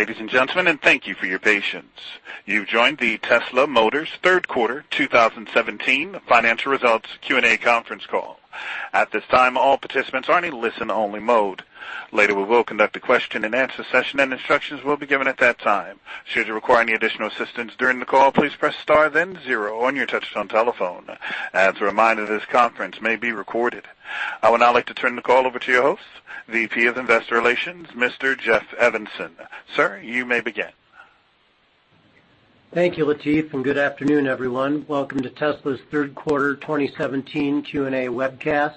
Good day, ladies and gentlemen. Thank you for your patience. You've joined the Tesla, Inc. third quarter 2017 financial results Q&A conference call. At this time, all participants are in a listen-only mode. Later, we will conduct a question-and-answer session, and instructions will be given at that time. Should you require any additional assistance during the call, please press star then zero on your touchtone telephone. As a reminder, this conference may be recorded. I would now like to turn the call over to your host, VP of Investor Relations, Mr. Jeff Evanson. Sir, you may begin. Thank you, Latif, and good afternoon, everyone. Welcome to Tesla's third quarter 2017 Q&A webcast.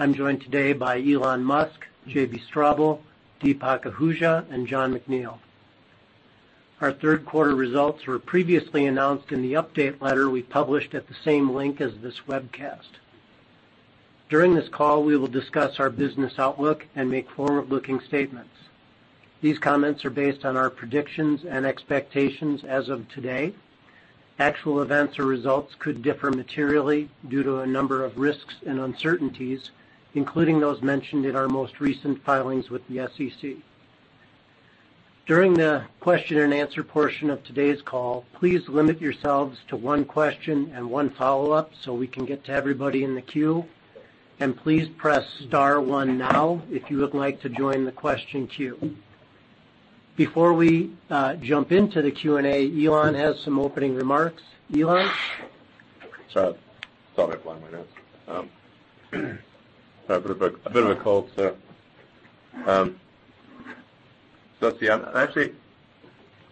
I'm joined today by Elon Musk, JB Straubel, Deepak Ahuja, and Jon McNeill. Our third quarter results were previously announced in the update letter we published at the same link as this webcast. During this call, we will discuss our business outlook and make forward-looking statements. These comments are based on our predictions and expectations as of today. Actual events or results could differ materially due to a number of risks and uncertainties, including those mentioned in our most recent filings with the SEC. During the question-and-answer portion of today's call, please limit yourselves to one question and one follow-up so we can get to everybody in the queue. Please press star one now if you would like to join the question queue. Before we jump into the Q&A, Elon has some opening remarks. Elon? Sorry. I have a bit of a cold, so. Let's see.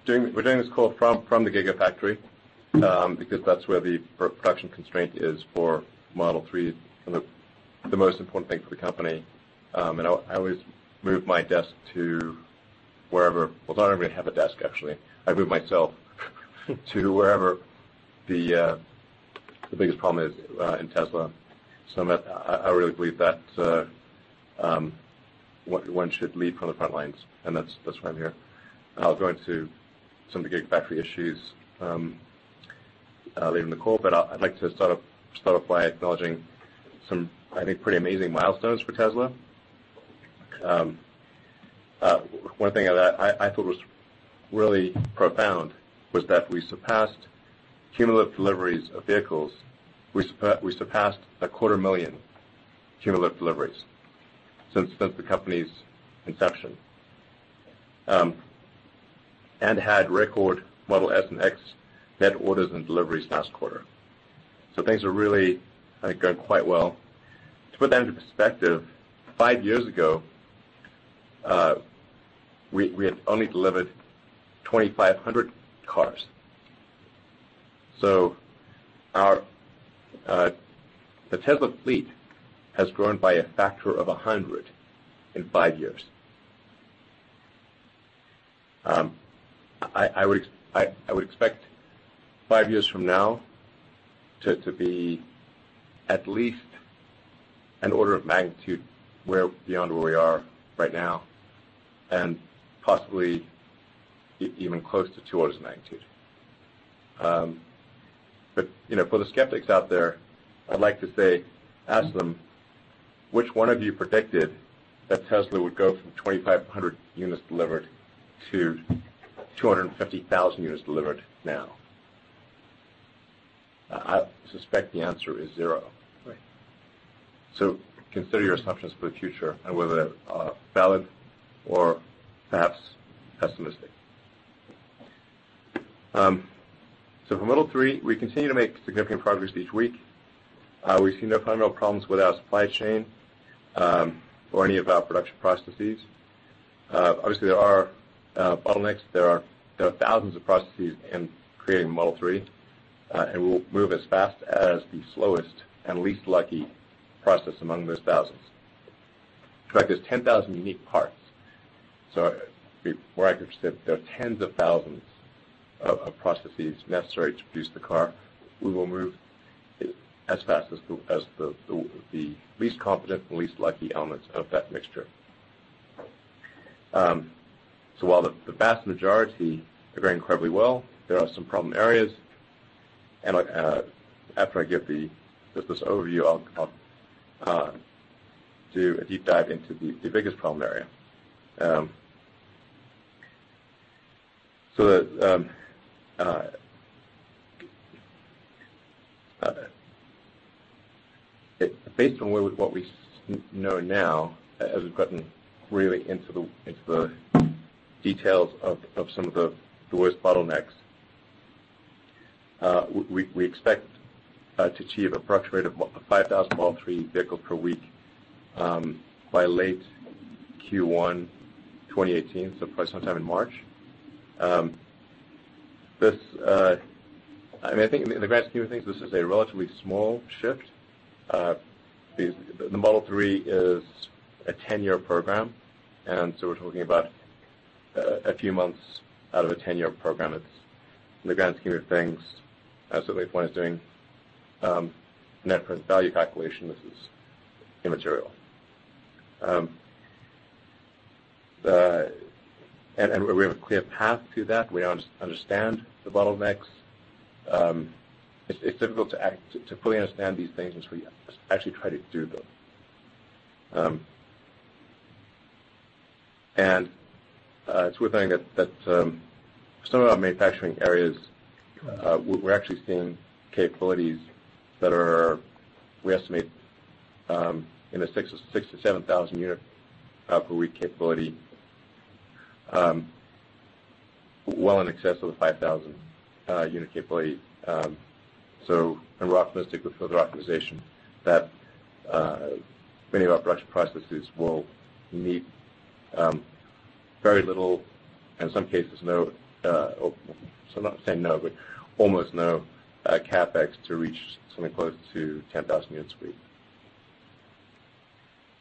We're doing this call from the Gigafactory, because that's where the production constraint is for Model 3, the most important thing for the company. I always move my desk to wherever Well, I don't even have a desk, actually. I move myself to wherever the biggest problem is in Tesla. I really believe that one should lead from the front lines, and that's why I'm here. I was going to some of the Gigafactory issues later in the call, but I'd like to start off by acknowledging some, I think, pretty amazing milestones for Tesla. One thing that I thought was really profound was that we surpassed cumulative deliveries of vehicles. We surpassed a quarter million cumulative deliveries since the company's inception, and had record Model S and X net orders and deliveries last quarter. Things are really going quite well. To put that into perspective, five years ago, we had only delivered 2,500 cars. The Tesla fleet has grown by a factor of 100 in five years. I would expect five years from now to be at least an order of magnitude beyond where we are right now, and possibly even close to two orders of magnitude. For the skeptics out there, I'd like to say, ask them, which one of you predicted that Tesla would go from 2,500 units delivered to 250,000 units delivered now? I suspect the answer is zero. Right. Consider your assumptions for the future, and whether they're valid or perhaps pessimistic. For Model 3, we continue to make significant progress each week. We've seen no fundamental problems with our supply chain, or any of our production processes. Obviously, there are bottlenecks. There are thousands of processes in creating Model 3, and we'll move as fast as the slowest and least lucky process among those thousands. In fact, there's 10,000 unique parts. More accurately, there are tens of thousands of processes necessary to produce the car. We will move as fast as the least competent and least lucky elements of that mixture. While the vast majority are going incredibly well, there are some problem areas, and after I give just this overview, I'll do a deep dive into the biggest problem area. Based on what we know now, as we've gotten really into the details of some of the worst bottlenecks, we expect to achieve approximate 5,000 Model 3 vehicles per week by late Q1 2018, probably sometime in March. In the grand scheme of things, this is a relatively small shift. The Model 3 is a 10-year program. We're talking about a few months out of a 10-year program. In the grand scheme of things, certainly if one is doing net present value calculation, this is immaterial. We have a clear path to that. We understand the bottlenecks. It's difficult to fully understand these things until you actually try to do them. It's worth noting that some of our manufacturing areas, we're actually seeing capabilities that we estimate in the 6,000 to 7,000 unit per week capability, well in excess of the 5,000 unit capability. We're optimistic with further optimization that many of our production processes will need very little, in some cases no, I'm not saying no, but almost no CapEx to reach something close to 10,000 units a week.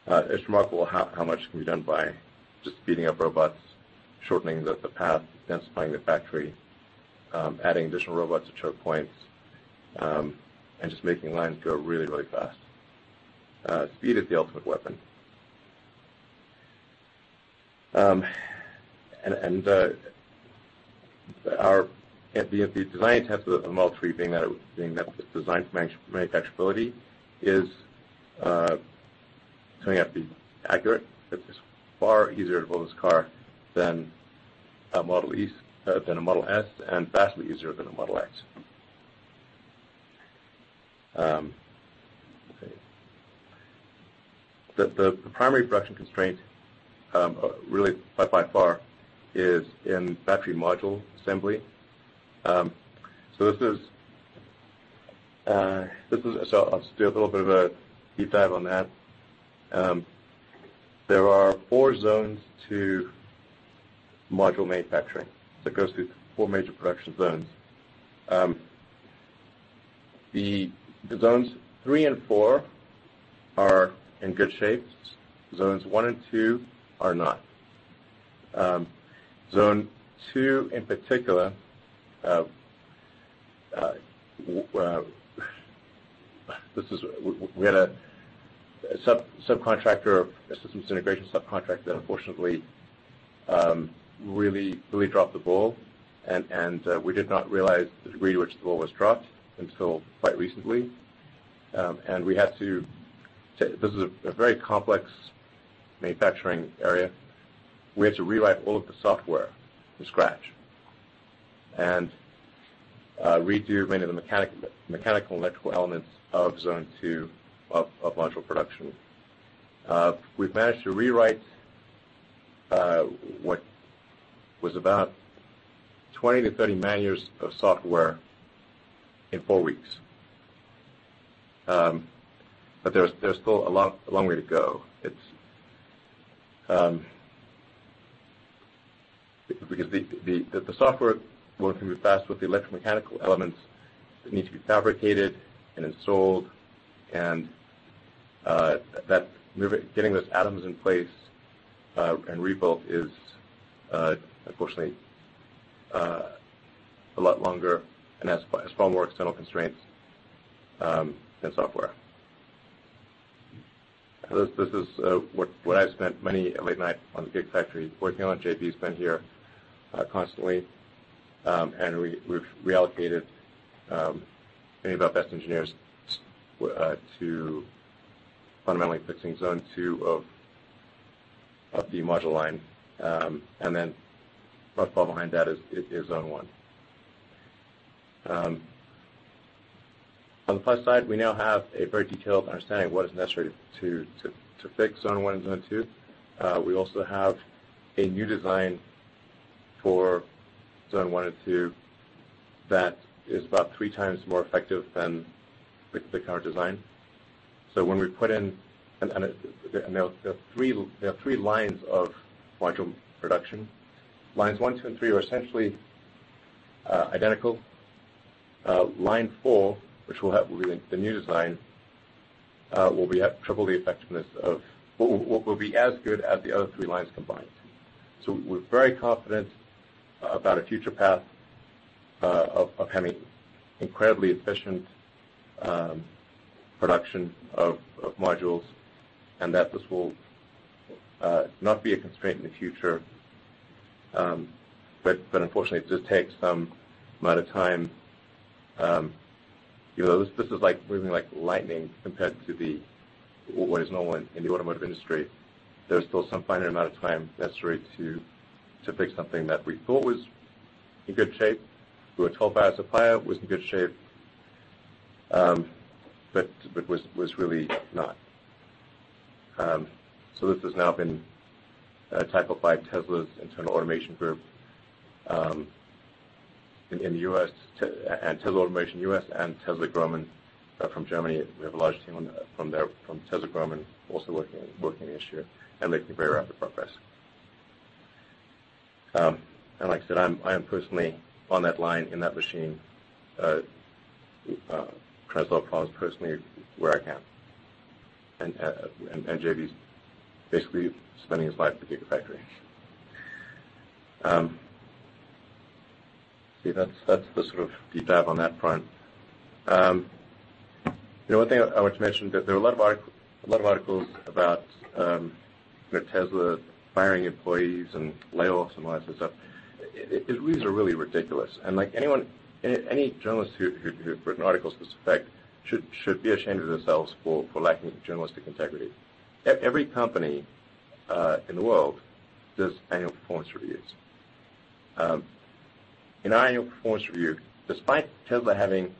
It's remarkable how much can be done by just speeding up robots, shortening the path, densifying the factory, adding additional robots to choke points, and just making lines go really fast. Speed is the ultimate weapon. The design intent of the Model 3 being that it's designed for manufacturability is turning out to be accurate. It's far easier to build this car than a Model S, and vastly easier than a Model X. Okay. The primary production constraint, really by far, is in battery module assembly. I'll just do a little bit of a deep dive on that. There are four zones to module manufacturing. It goes through four major production zones. The zones three and four are in good shape. Zones one and two are not. Zone two in particular, we had a systems integration subcontract that unfortunately really dropped the ball and we did not realize the degree to which the ball was dropped until quite recently. This is a very complex manufacturing area. We had to rewrite all of the software from scratch and redo many of the mechanical and electrical elements of zone two of module production. We've managed to rewrite what was about 20 to 30 man-years of software in four weeks. There's still a long way to go. The software work can be fast, but the electromechanical elements need to be fabricated and installed, and getting those atoms in place and rebuilt is, unfortunately, a lot longer and has far more external constraints than software. This is what I've spent many a late night on the Gigafactory working on. JB's been here constantly. We've reallocated many of our best engineers to fundamentally fixing zone 2 of the module line. Then right behind that is zone 1. We now have a very detailed understanding of what is necessary to fix zone 1 and zone 2. We also have a new design for zone 1 and 2 that is about three times more effective than the current design. There are three lines of module production. Lines 1, 2, and 3 are essentially identical. Line 4, which will be the new design, will be triple the effectiveness of, well, will be as good as the other 3 lines combined. We're very confident about a future path of having incredibly efficient production of modules and that this will not be a constraint in the future. Unfortunately, it does take some amount of time. This is moving like lightning compared to what is normal in the automotive industry. There's still some finite amount of time necessary to fix something that we thought was in good shape. We were told by our supplier it was in good shape, but was really not. This has now been tackled by Tesla's internal automation group and Tesla Automation US and Tesla Grohmann from Germany. We have a large team from Tesla Grohmann also working the issue and making very rapid progress. Like I said, I am personally on that line in that machine, trying to solve problems personally where I can. JB's basically spending his life at the Gigafactory. See, that's the sort of deep dive on that front. One thing I want to mention, that there are a lot of articles about Tesla firing employees and layoffs and all that sort of stuff. Its reasons are really ridiculous. Any journalists who've written articles to this effect should be ashamed of themselves for lacking journalistic integrity. Every company in the world does annual performance reviews. In our annual performance review, despite Tesla having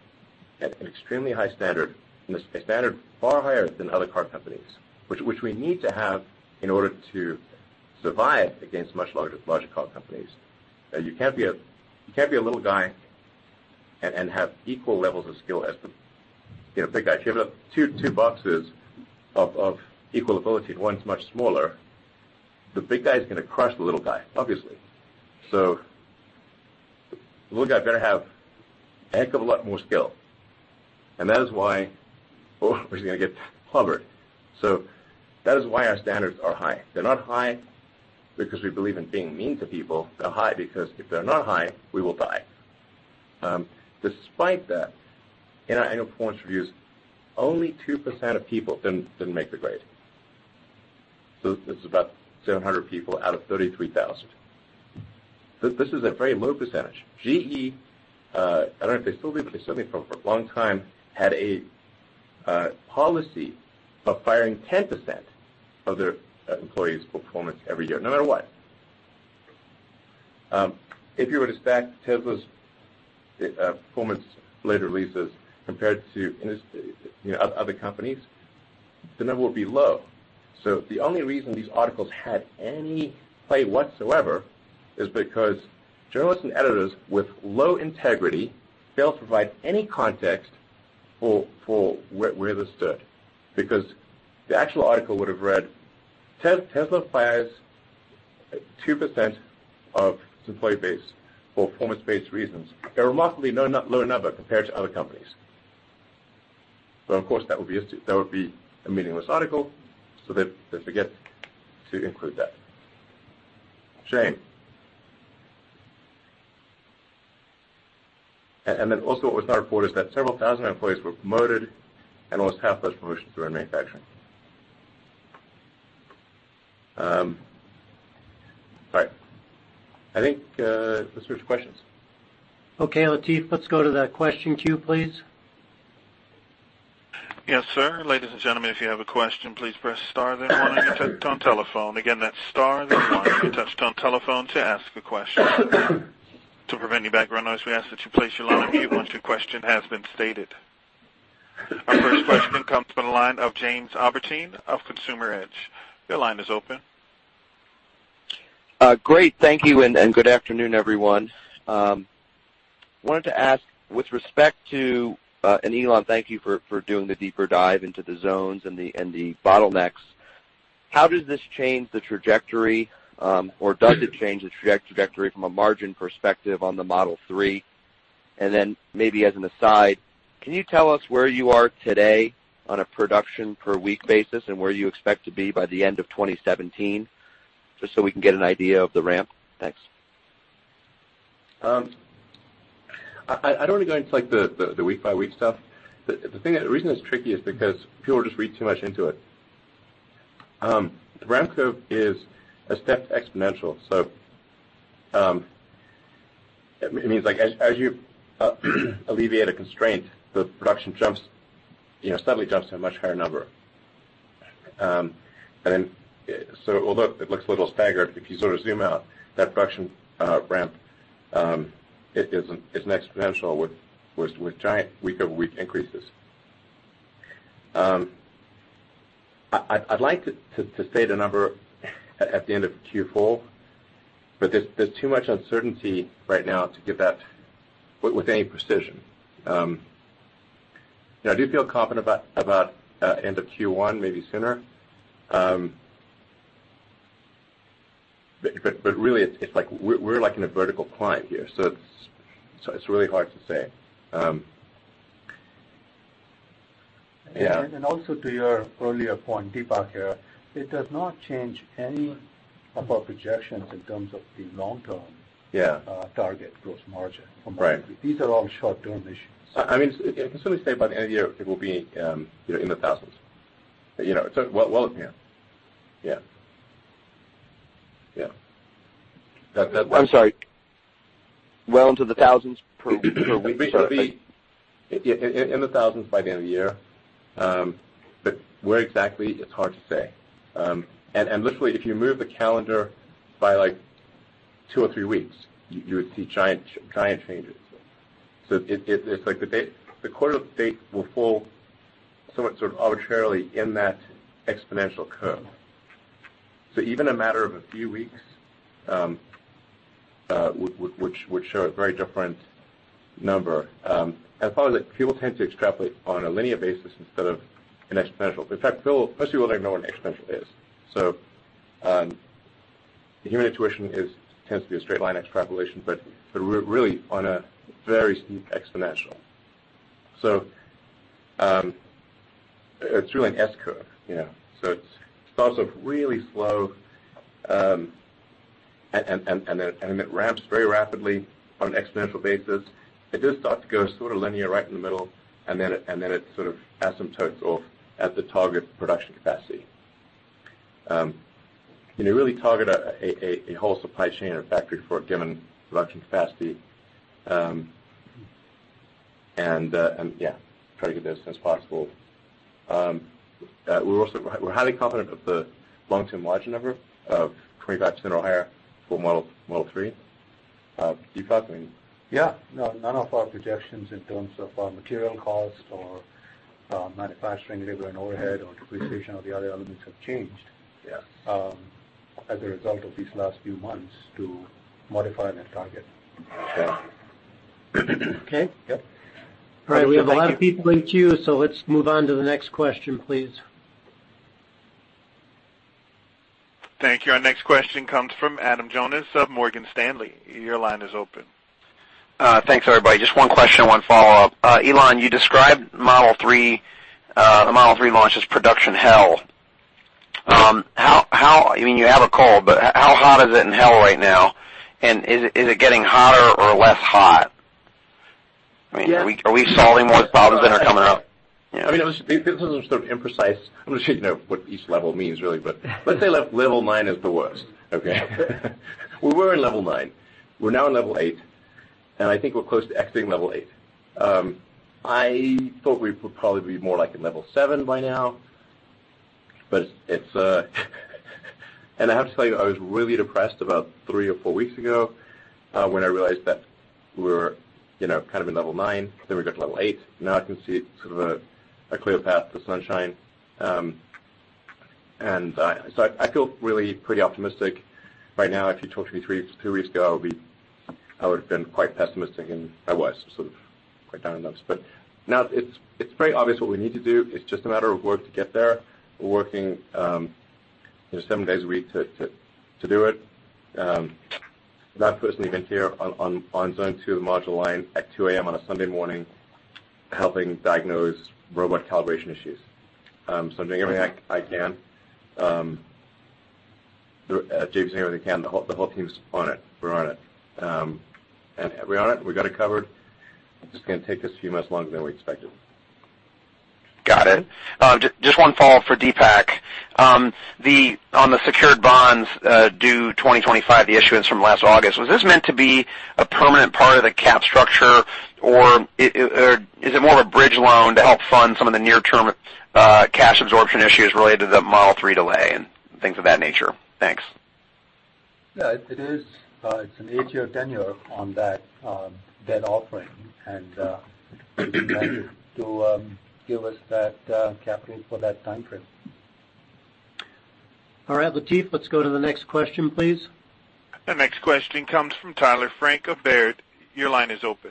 an extremely high standard, a standard far higher than other car companies, which we need to have in order to survive against much larger car companies. You can't be a little guy and have equal levels of skill as the big guy. If you have 2 boxes of equal ability and one's much smaller, the big guy's going to crush the little guy, obviously. The little guy better have a heck of a lot more skill, or he's going to get clobbered. That is why our standards are high. They're not high because we believe in being mean to people. They're high because if they're not high, we will die. Despite that, in our annual performance reviews, only 2% of people didn't make the grade. This is about 700 people out of 33,000. This is a very low percentage. GE, I don't know if they still do, but they certainly for a long time had a policy of firing 10% of their employees' performance every year, no matter what. If you were to stack Tesla's performance later releases compared to other companies, the number would be low. The only reason these articles had any play whatsoever is because journalists and editors with low integrity failed to provide any context for where this stood. The actual article would have read, "Tesla fires 2% of its employee base for performance-based reasons, a remarkably low number compared to other companies." Of course, that would be a meaningless article, so they forget to include that. Shame. Also what was not reported is that several thousand employees were promoted and almost half those promotions were in manufacturing. All right. I think let's switch to questions. Okay, Latif, let's go to the question queue, please. Yes, sir. Ladies and gentlemen, if you have a question, please press star then one on your touch-tone telephone. Again, that's star then one on your touch-tone telephone to ask a question. To prevent any background noise, we ask that you place your line mute once your question has been stated. Our first question comes from the line of Jamie Albertine of Consumer Edge. Your line is open. Great. Thank you, good afternoon, everyone. Wanted to ask with respect to, and Elon, thank you for doing the deeper dive into the zones and the bottlenecks, how does this change the trajectory? Does it change the trajectory from a margin perspective on the Model 3? Maybe as an aside, can you tell us where you are today on a production per week basis and where you expect to be by the end of 2017, just so we can get an idea of the ramp? Thanks. I don't want to go into the week-by-week stuff. The reason it's tricky is because people just read too much into it. The ramp curve is a stepped exponential. It means as you alleviate a constraint, the production suddenly jumps to a much higher number. Although it looks a little staggered, if you sort of zoom out, that production ramp is an exponential with giant week-over-week increases. I'd like to state a number at the end of Q4, but there's too much uncertainty right now to give that with any precision. I do feel confident about end of Q1, maybe sooner. Really, we're in a vertical climb here, so it's really hard to say. Yeah. Also to your earlier point, Deepak here, it does not change any of our projections in terms of the long-term- Yeah target gross margin from- Right these are all short-term issues. I can certainly say by the end of the year, it will be in the thousands. Well, yeah. Yeah. I'm sorry. Well into the thousands per week? We should be in the thousands by the end of the year. Where exactly, it's hard to say. Literally, if you move the calendar by two or three weeks, you would see giant changes. It's like the quarter date will fall somewhat sort of arbitrarily in that exponential curve. Even a matter of a few weeks, would show a very different number. The problem is that people tend to extrapolate on a linear basis instead of an exponential. In fact, most people don't even know what an exponential is. The human intuition tends to be a straight line extrapolation, but really on a very steep exponential. It's really an S-curve. It starts off really slow, and then it ramps very rapidly on an exponential basis. It does start to go sort of linear right in the middle, and then it sort of asymptotes off at the target production capacity. You really target a whole supply chain or factory for a given production capacity, and yeah, try to get that as soon as possible. We're highly confident of the long-term margin number of 25% or higher for Model 3. Deepak? Yeah. None of our projections in terms of our material cost or manufacturing labor and overhead or depreciation or the other elements have changed. Yeah As a result of these last few months to modify that target. Yeah. Okay? Yep. All right. We have a lot of people in queue. Let's move on to the next question, please. Thank you. Our next question comes from Adam Jonas of Morgan Stanley. Your line is open. Thanks, everybody. Just one question, one follow-up. Elon, you described the Model 3 launch as production hell. How hot is it in hell right now? Is it getting hotter or less hot? Yeah. Are we solving more problems than are coming up? This is sort of imprecise. I'm not sure what each level means, really. Let's say level 9 is the worst, okay? We were in level 9. We're now in level 8, and I think we're close to exiting level 8. I thought we would probably be more like in level 7 by now. I have to tell you, I was really depressed about three or four weeks ago, when I realized that we were kind of in level 9, then we got to level 8. Now I can see sort of a clear path to sunshine. I feel really pretty optimistic right now. If you talked to me two weeks ago, I would've been quite pessimistic, and I was sort of quite down in the dumps. Now it's pretty obvious what we need to do. It's just a matter of work to get there. We're working seven days a week to do it. I've personally been here on zone 2 of the module line at 2:00 A.M. on a Sunday morning, helping diagnose robot calibration issues. I'm doing everything I can. J.B.'s doing everything he can. The whole team's on it. We're on it, we got it covered. It's just going to take us a few months longer than we expected. Got it. Just one follow-up for Deepak. On the secured bonds due 2025, the issuance from last August, was this meant to be a permanent part of the cap structure, or is it more of a bridge loan to help fund some of the near-term cash absorption issues related to the Model 3 delay and things of that nature? Thanks. Yeah, it's an eight-year tenure on that offering designed to give us that capital for that time frame. All right, Latif, let's go to the next question, please. The next question comes from Tyler Frank of Baird. Your line is open.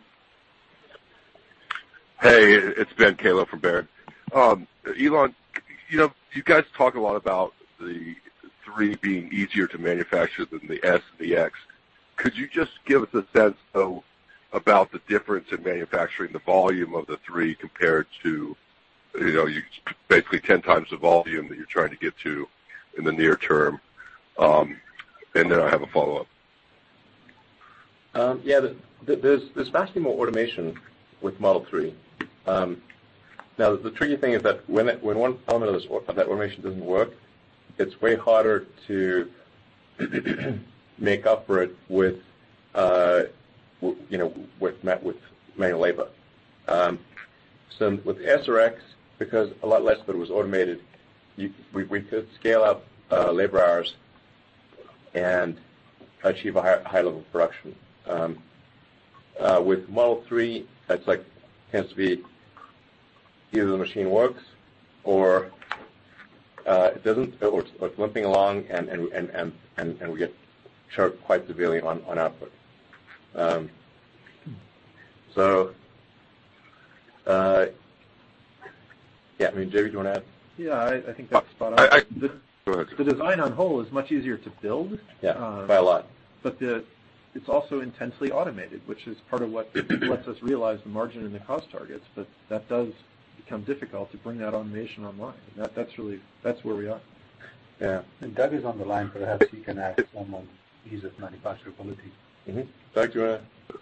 Hey, it's Ben Kallo from Baird. Elon, you guys talk a lot about the 3 being easier to manufacture than the S and the X. Could you just give us a sense, though, about the difference in manufacturing the volume of the 3 compared to basically 10 times the volume that you're trying to get to in the near term? I have a follow-up. Yeah. There's vastly more automation with Model 3. The tricky thing is that when one element of that automation doesn't work, it's way harder to make up for it with manual labor. With the S or X, because a lot less of it was automated, we could scale up labor hours and achieve a high level of production. With Model 3, it has to be either the machine works or it doesn't, or it's limping along, and we get choked quite severely on output. Yeah, JB, do you want to add? Yeah, I think that's spot on. Go ahead. The design on whole is much easier to build. Yeah, by a lot It's also intensely automated, which is part of what lets us realize the margin and the cost targets. That does become difficult to bring that automation online. That's where we are. Yeah. Doug is on the line, perhaps he can add some on ease of manufacturability. Mm-hmm. Doug, do you want to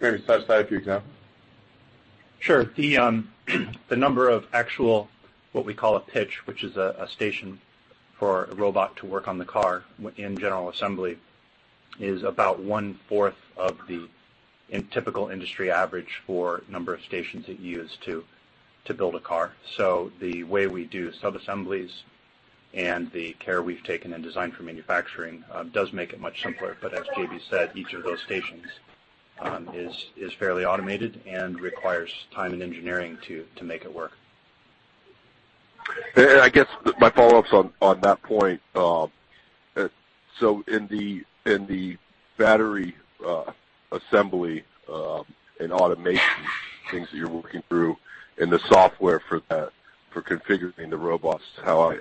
maybe touch base, for example? Sure. The number of actual, what we call a pitch, which is a station for a robot to work on the car in general assembly, is about one-fourth of the typical industry average for number of stations it used to build a car. The way we do sub-assemblies and the care we've taken in design for manufacturing does make it much simpler. As JB said, each of those stations is fairly automated and requires time and engineering to make it work. I guess my follow-up's on that point. In the battery assembly and automation things that you're working through and the software for that, for configuring the robots, how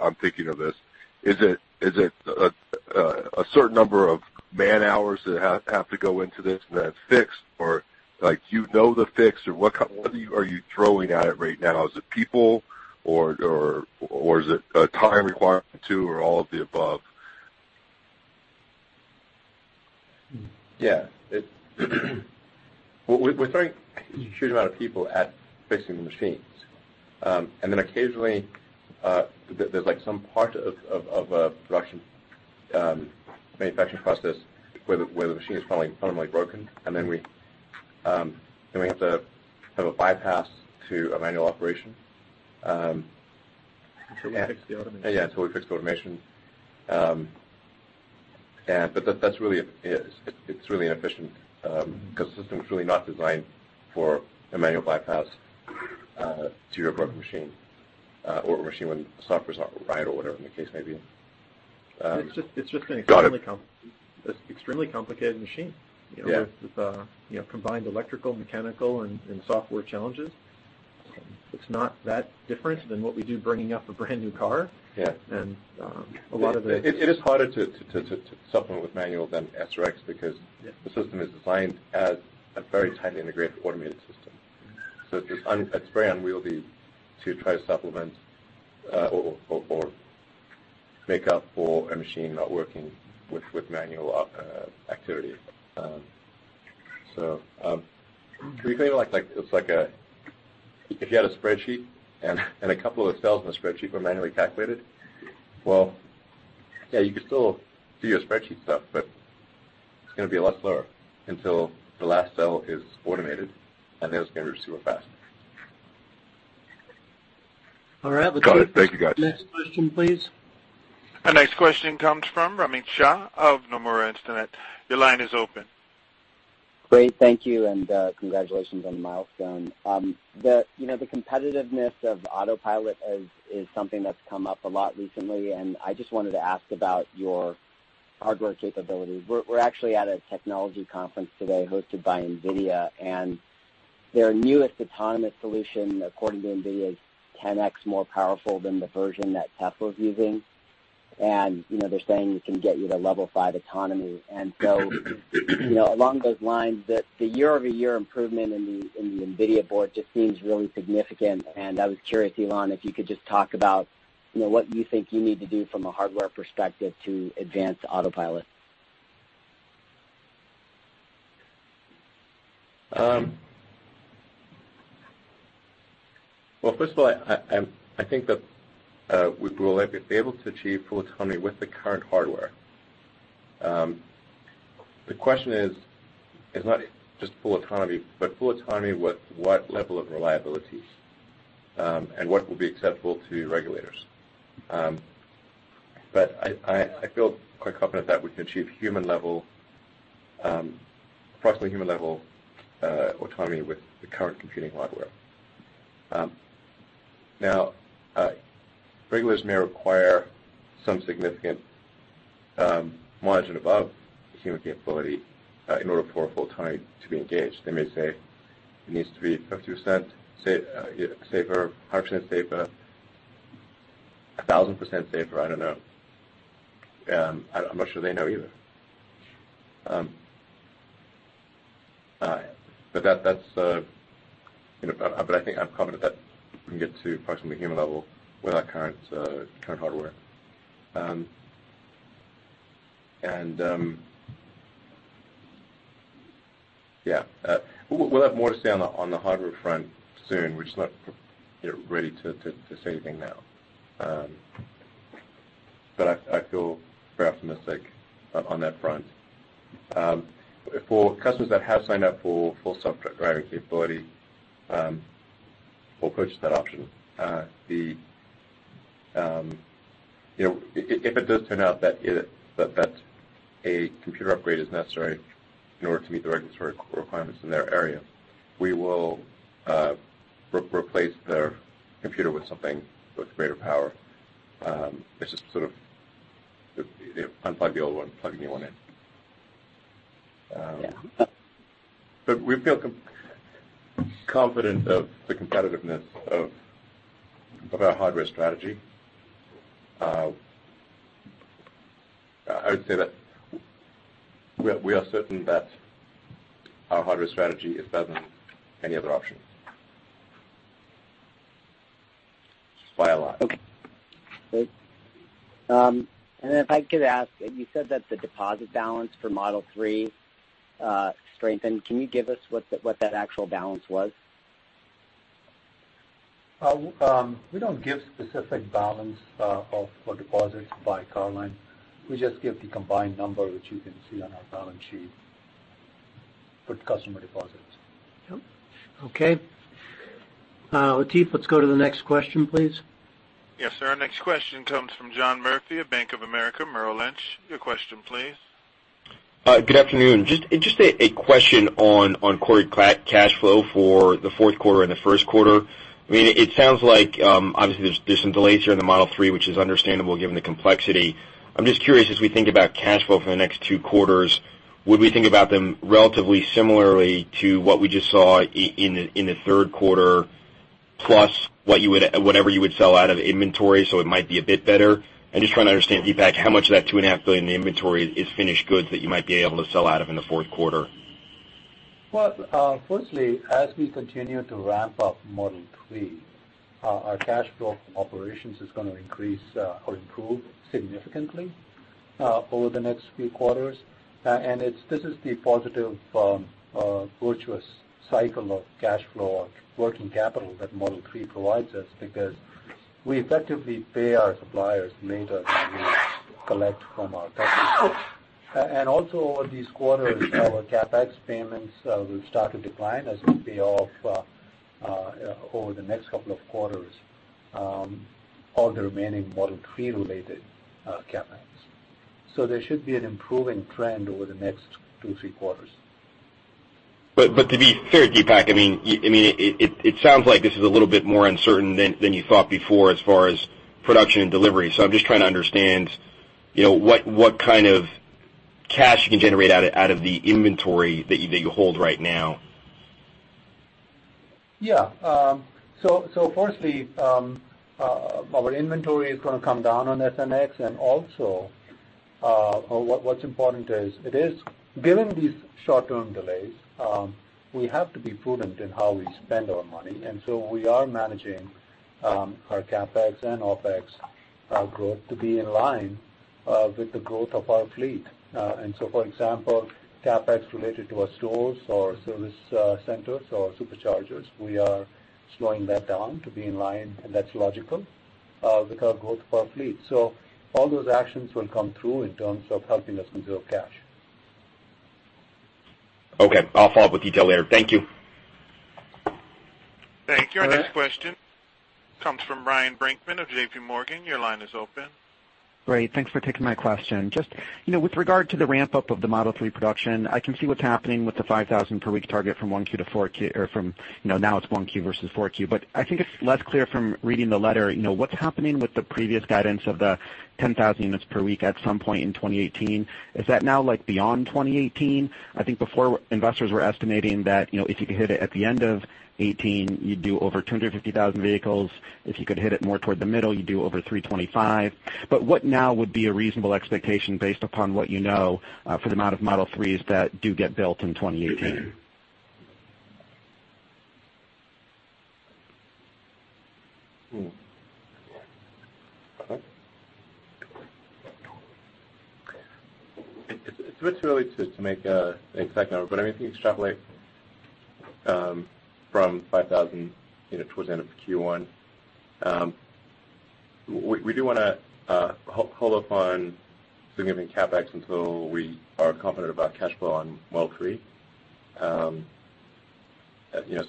I'm thinking of this, is it a certain number of man-hours that have to go into this and then it's fixed or you know the fix or what are you throwing at it right now? Is it people or is it a time requirement too, or all of the above? Yeah. We're throwing a huge amount of people at fixing the machines. Occasionally, there's some part of a production manufacturing process where the machine is permanently broken and then we have to have a bypass to a manual operation. Until we fix the automation. Yeah, until we fix the automation. It's really inefficient, because the system's really not designed for a manual bypass to your broken machine or a machine when the software's not right or whatever the case may be. It's just. Got it. extremely complicated machine. Yeah. Combined electrical, mechanical, and software challenges. It's not that different than what we do bringing up a brand-new car. Yeah. And a lot of the- It is harder to supplement with manual than S or X because- Yeah The system is designed as a very tightly integrated automated system. It's very unwieldy to try to supplement or make up for a machine not working with manual activity. To be clear, if you had a spreadsheet and a couple of the cells in the spreadsheet were manually calculated, well, yeah, you could still do your spreadsheet stuff, but it's going to be a lot slower until the last cell is automated and then it's going to be super fast. All right. Let's- Got it. Thank you, guys go to the next question, please. Our next question comes from Romit Shah of Nomura Instinet. Your line is open. Great. Thank you. Congratulations on the milestone. The competitiveness of Autopilot is something that's come up a lot recently and I just wanted to ask about your hardware capabilities. We're actually at a technology conference today hosted by Nvidia and their newest autonomous solution, according to Nvidia, is 10x more powerful than the version that Tesla is using. They're saying it can get you to level 5 autonomy. Along those lines, the year-over-year improvement in the Nvidia board just seems really significant and I was curious, Elon, if you could just talk about what you think you need to do from a hardware perspective to advance Autopilot. Well, first of all, I think that we will be able to achieve full autonomy with the current hardware. The question is, it's not just full autonomy, but full autonomy with what level of reliability? What will be acceptable to regulators? I feel quite confident that we can achieve approximately human-level autonomy with the current computing hardware. Now, regulators may require some significant margin above human capability in order for full autonomy to be engaged. They may say it needs to be 50% safer, 100% safer, 1,000% safer, I don't know. I'm not sure they know either. I think I'm confident that we can get to approximately human level with our current hardware. We'll have more to say on the hardware front soon. We're just not ready to say anything now. I feel very optimistic on that front. For customers that have signed up for full self-driving capability or purchased that option, if it does turn out that a computer upgrade is necessary in order to meet the regulatory requirements in their area, we will replace their computer with something with greater power. It's just sort of unplug the old one, plug the new one in. Yeah. We feel confident of the competitiveness of our hardware strategy. I would say that we are certain that our hardware strategy is better than any other option, by a lot. Okay, great. If I could ask, you said that the deposit balance for Model 3 strengthened. Can you give us what that actual balance was? We don't give specific balance for deposits by car line. We just give the combined number, which you can see on our balance sheet for customer deposits. Yep. Okay. Latif, let's go to the next question, please. Yes, sir. Our next question comes from John Murphy of Bank of America Merrill Lynch. Your question please. Good afternoon. Just a question on core cash flow for the fourth quarter and the first quarter. It sounds like obviously there's some delays here in the Model 3 which is understandable given the complexity. I'm just curious as we think about cash flow for the next two quarters, would we think about them relatively similarly to what we just saw in the third quarter? plus whatever you would sell out of inventory, so it might be a bit better? I'm just trying to understand, Deepak, how much of that $2.5 billion in inventory is finished goods that you might be able to sell out of in the fourth quarter. Well, firstly, as we continue to ramp up Model 3, our cash flow from operations is going to increase or improve significantly over the next few quarters. This is the positive, virtuous cycle of cash flow or working capital that Model 3 provides us because we effectively pay our suppliers later than we collect from our customers. Also, over these quarters, our CapEx payments will start to decline as we pay off, over the next couple of quarters, all the remaining Model 3 related CapEx. There should be an improving trend over the next two, three quarters. To be fair, Deepak, it sounds like this is a little bit more uncertain than you thought before as far as production and delivery. I'm just trying to understand, what kind of cash you can generate out of the inventory that you hold right now. Yeah. Firstly, our inventory is going to come down on S and X. Also what's important is, given these short-term delays, we have to be prudent in how we spend our money. We are managing our CapEx and OpEx growth to be in line with the growth of our fleet. For example, CapEx related to our stores or service centers or Superchargers, we are slowing that down to be in line, that's logical with our growth of our fleet. All those actions will come through in terms of helping us conserve cash. Okay. I'll follow up with detail later. Thank you. Thank you. Our next question comes from Ryan Brinkman of J.P. Morgan. Your line is open. Great. Thanks for taking my question. Just with regard to the ramp-up of the Model 3 production, I can see what's happening with the 5,000 per week target from 1Q to 4Q, or from now it's 1Q versus 4Q. I think it's less clear from reading the letter, what's happening with the previous guidance of the 10,000 units per week at some point in 2018? Is that now beyond 2018? I think before investors were estimating that if you could hit it at the end of 2018, you'd do over 250,000 vehicles. If you could hit it more toward the middle, you'd do over 325,000. What now would be a reasonable expectation based upon what you know for the amount of Model 3s that do get built in 2018? It's a bit too early to make an exact number. I think you can extrapolate from 5,000 towards the end of Q1. We do want to hold off on significant CapEx until we are confident about cash flow on Model 3. That's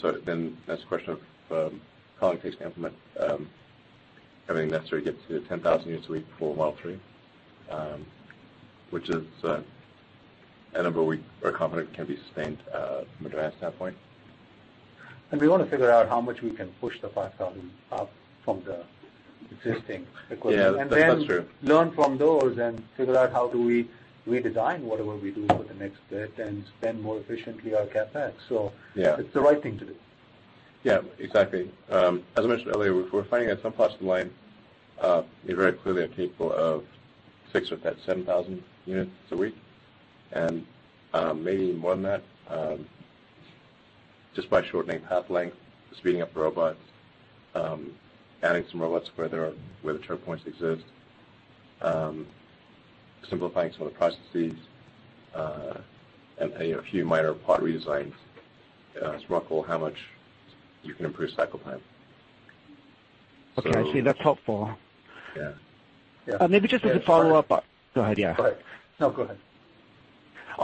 a question of how long it takes to implement everything necessary to get to 10,000 units a week for Model 3, which is a number we are confident can be sustained from a demand standpoint. We want to figure out how much we can push the 5,000 up from the existing equation. Yeah, that's true. Learn from those and figure out how do we redesign whatever we do for the next bit and spend more efficiently on CapEx. Yeah. It's the right thing to do. Yeah, exactly. As I mentioned earlier, we're finding at some parts of the line we're very clearly capable of 6,000 or 7,000 units a week. Maybe more than that just by shortening path length, speeding up the robots, adding some robots where the choke points exist, simplifying some of the processes, and a few minor part redesigns. It's remarkable how much you can improve cycle time. Okay, I see. That's helpful. Yeah. Maybe just as a follow-up. Go ahead, yeah. Go ahead. No, go ahead.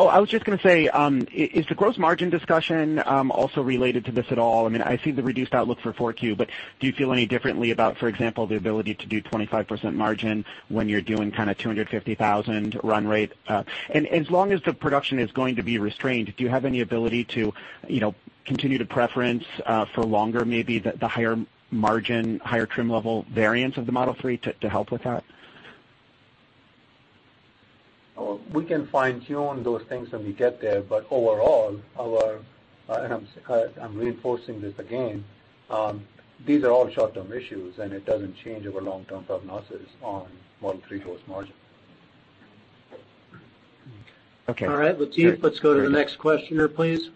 I was just going to say, is the gross margin discussion also related to this at all? I see the reduced outlook for 4Q, do you feel any differently about, for example, the ability to do 25% margin when you're doing 250,000 run rate? As long as the production is going to be restrained, do you have any ability to continue to preference for longer maybe the higher margin, higher trim level variants of the Model 3 to help with that? We can fine-tune those things when we get there, but overall, our, and I'm reinforcing this again, these are all short-term issues, and it doesn't change our long-term prognosis on Model 3 gross margin. Okay. All right, Latif, let's go to the next questioner, please.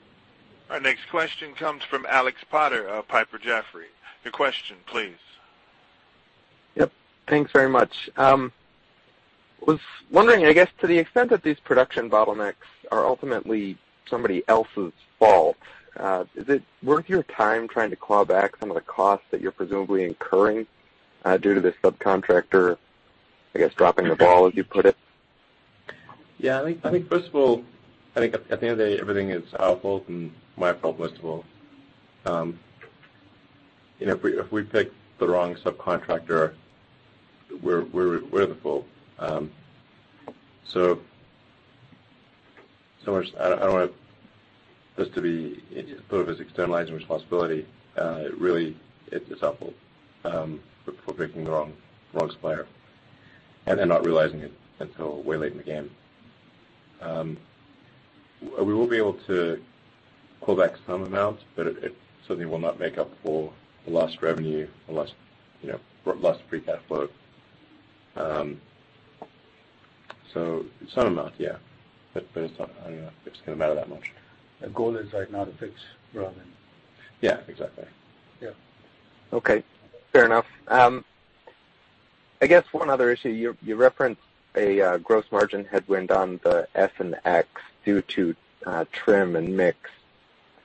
Our next question comes from Alex Potter of Piper Jaffray. Your question, please. Yep. Thanks very much. Was wondering, I guess to the extent that these production bottlenecks are ultimately somebody else's fault, is it worth your time trying to claw back some of the costs that you're presumably incurring due to this subcontractor, I guess, dropping the ball, as you put it? Yeah, I think first of all, I think at the end of the day, everything is our fault and my fault, first of all. If we pick the wrong subcontractor, we're the fool. I don't want this to be put up as externalizing responsibility. It really is our fault for picking the wrong supplier and then not realizing it until way late in the game. We will be able to call back some amounts, but it certainly will not make up for the lost revenue or lost free cash flow. Some amount, yeah. It's not going to matter that much. The goal is right now to fix rather than- Yeah, exactly. Yeah. Okay, fair enough. I guess one other issue, you referenced a gross margin headwind on the S and X due to trim and mix.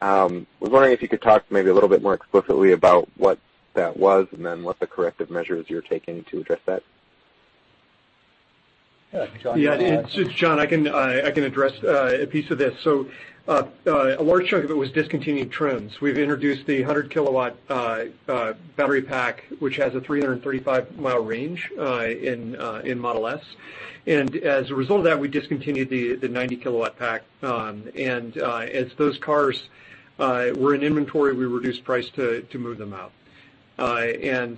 I was wondering if you could talk maybe a little bit more explicitly about what that was what the corrective measures you're taking to address that. Yeah, Jon. Yeah, this is Jon. I can address a piece of this. A large chunk of it was discontinued trims. We've introduced the 100 kilowatt battery pack, which has a 335-mile range in Model S. As a result of that, we discontinued the 90 kilowatt pack and as those cars were in inventory, we reduced price to move them out. That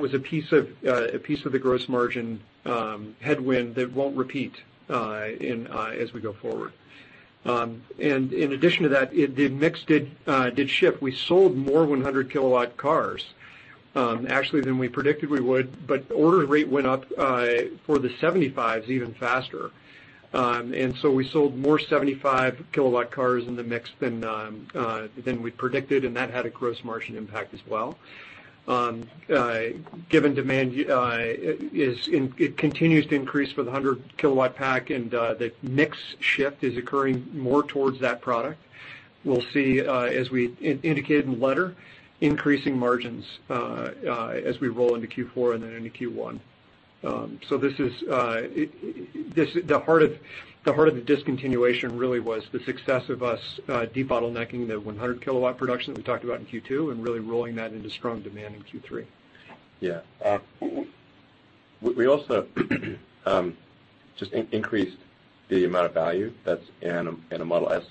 was a piece of the gross margin headwind that won't repeat as we go forward. In addition to that, the mix did shift. We sold more 100 kilowatt cars actually than we predicted we would, order rate went up for the 75s even faster. We sold more 75 kilowatt cars in the mix than we predicted and that had a gross margin impact as well. Given demand, it continues to increase for the 100 kilowatt pack and the mix shift is occurring more towards that product. We'll see as we indicated in the letter, increasing margins as we roll into Q4 and then into Q1. The heart of the discontinuation really was the success of us de-bottlenecking the 100 kilowatt production that we talked about in Q2 and really rolling that into strong demand in Q3. Yeah. We also just increased the amount of value that's in a Model S.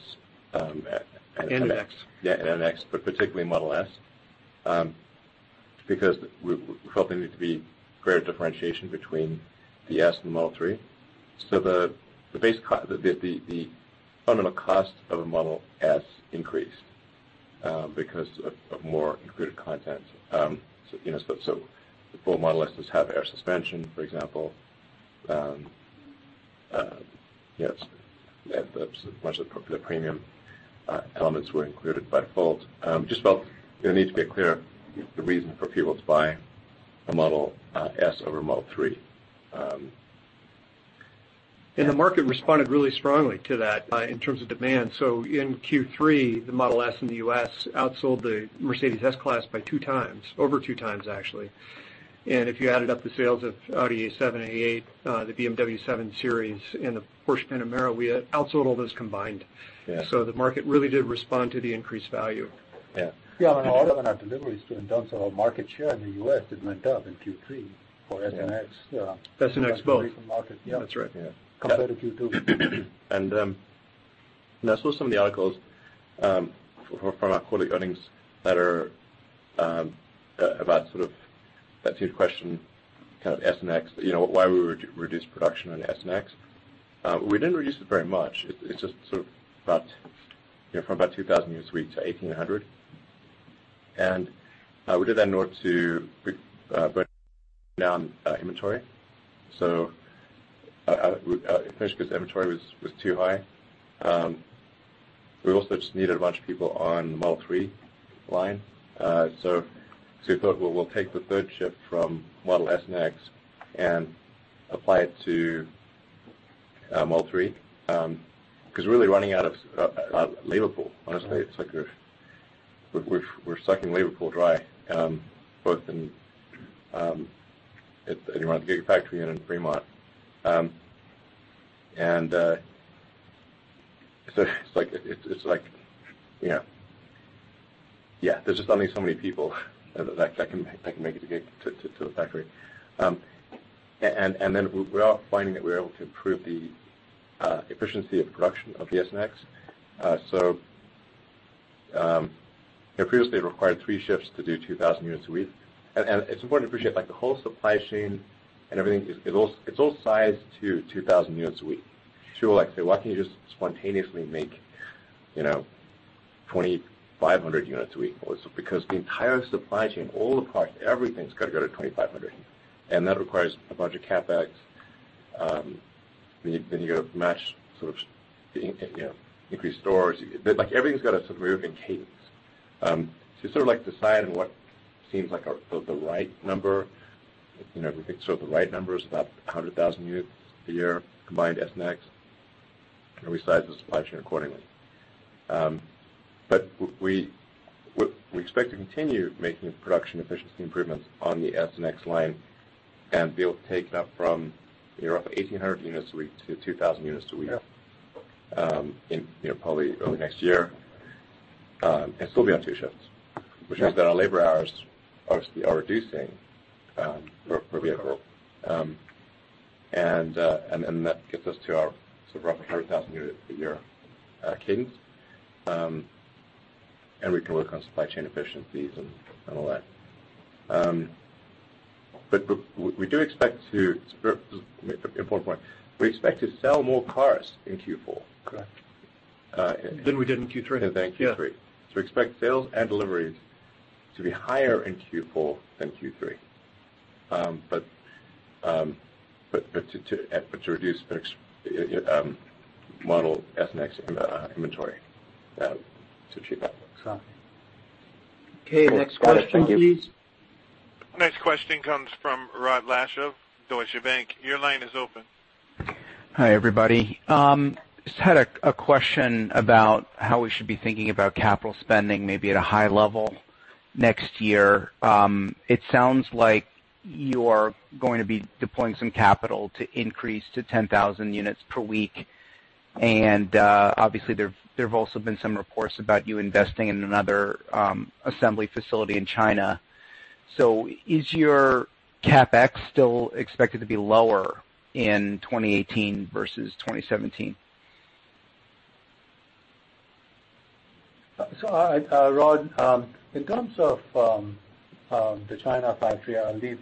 Model X. Yeah, Model X, particularly Model S because we felt there need to be greater differentiation between the S and the Model 3. The fundamental cost of a Model S increased because of more included content. The four Model S's have air suspension, for example. Much of the premium elements were included by default. We just felt there needed to be a clear reason for people to buy a Model S over a Model 3. The market responded really strongly to that in terms of demand. In Q3, the Model S in the U.S. outsold the Mercedes-Benz S-Class by 2 times, over 2 times actually. If you added up the sales of Audi A7, A8, the BMW 7 Series, and the Porsche Panamera, we outsold all those combined. Yeah. The market really did respond to the increased value. Yeah. Yeah, a lot of our deliveries too, in terms of our market share in the U.S., it went up in Q3 for S and X. S and X both. Yeah. That's right. Yeah. Compared to Q2. I saw some of the articles from our quarterly earnings letter about sort of back to your question, kind of S and X, why we would reduce production on S and X. We didn't reduce it very much. It's just sort of from about 2,000 units a week to 1,800. We did that in order to burn down inventory. First because inventory was too high. We also just needed a bunch of people on Model 3 line. We thought, well, we'll take the third shift from Model S and X and apply it to Model 3. We're really running out of labor pool, honestly. It's like we're sucking labor pool dry both in Gigafactory and in Fremont. It's like, there's only so many people that can make it to the factory. We're also finding that we're able to improve the efficiency of production of the S and X. Previously, it required three shifts to do 2,000 units a week. It's important to appreciate, the whole supply chain and everything, it's all sized to 2,000 units a week. People are like, "Say, why can't you just spontaneously make 2,500 units a week?" It's because the entire supply chain, all the parts, everything's got to go to 2,500, and that requires a bunch of CapEx. You have to match sort of increased storage. Everything's got to move in cadence. You sort of decide on what seems like the right number. We think the right number is about 100,000 units a year, combined S and X, and we size the supply chain accordingly. We expect to continue making production efficiency improvements on the S and X line and be able to take it up from roughly 1,800 units a week to 2,000 units a week. Yeah We expect this to be in probably early next year and still be on two shifts. Yeah. Which means that our labor hours obviously are reducing per vehicle. That gets us to our sort of roughly 100,000 units a year cadence and we can work on supply chain efficiencies and all that. We do expect to, important point, we expect to sell more cars in Q4. Correct. This is more than we did in Q3. Than Q3. Expect sales and deliveries to be higher in Q4 than Q3. To reduce Model S, X inventory to achieve that. Copy. Okay, next question, please. Next question comes from Rod Lache of Deutsche Bank. Your line is open. Hi, everybody. Just had a question about how we should be thinking about capital spending, maybe at a high level next year. It sounds like you're going to be deploying some capital to increase to 10,000 units per week, and obviously there have also been some reports about you investing in another assembly facility in China. Is your CapEx still expected to be lower in 2018 versus 2017? Rod, in terms of the China factory, I'll leave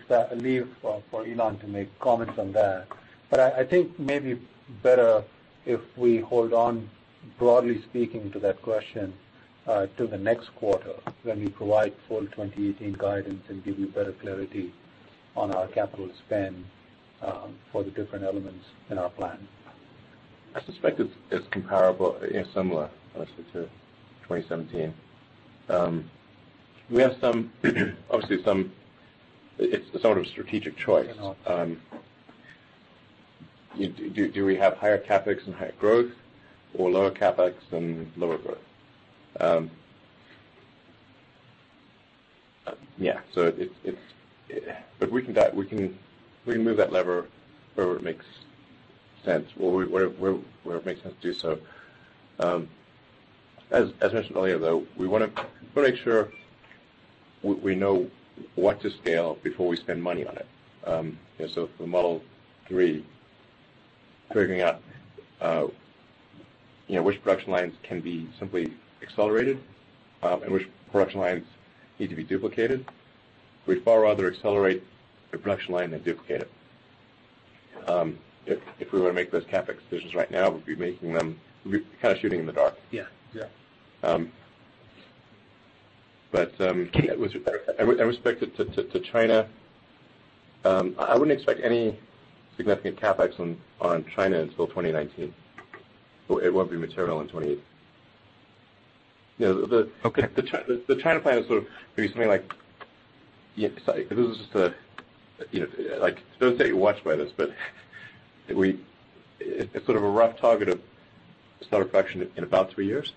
for Elon to make comments on that. I think maybe better if we hold on, broadly speaking, to that question to the next quarter when we provide full 2018 guidance and give you better clarity on our capital spend for the different elements in our plan. I suspect it's comparable and similar, honestly, to 2017. We have obviously some sort of strategic choice. Do we have higher CapEx and higher growth or lower CapEx and lower growth? Yeah. We can move that lever where it makes sense to do so. As mentioned earlier, though, we want to make sure we know what to scale before we spend money on it. For the Model 3, figuring out which production lines can be simply accelerated and which production lines need to be duplicated. We'd far rather accelerate the production line than duplicate it. If we were to make those CapEx decisions right now, we'd be making them, we'd be kind of shooting in the dark. Yeah. Yeah. In respect to China, I wouldn't expect any significant CapEx on China until 2019. It won't be material in 2020. Okay. The China plan is sort of maybe something like, [I don't say watch by this], but it's sort of a rough target of start of production in about three years.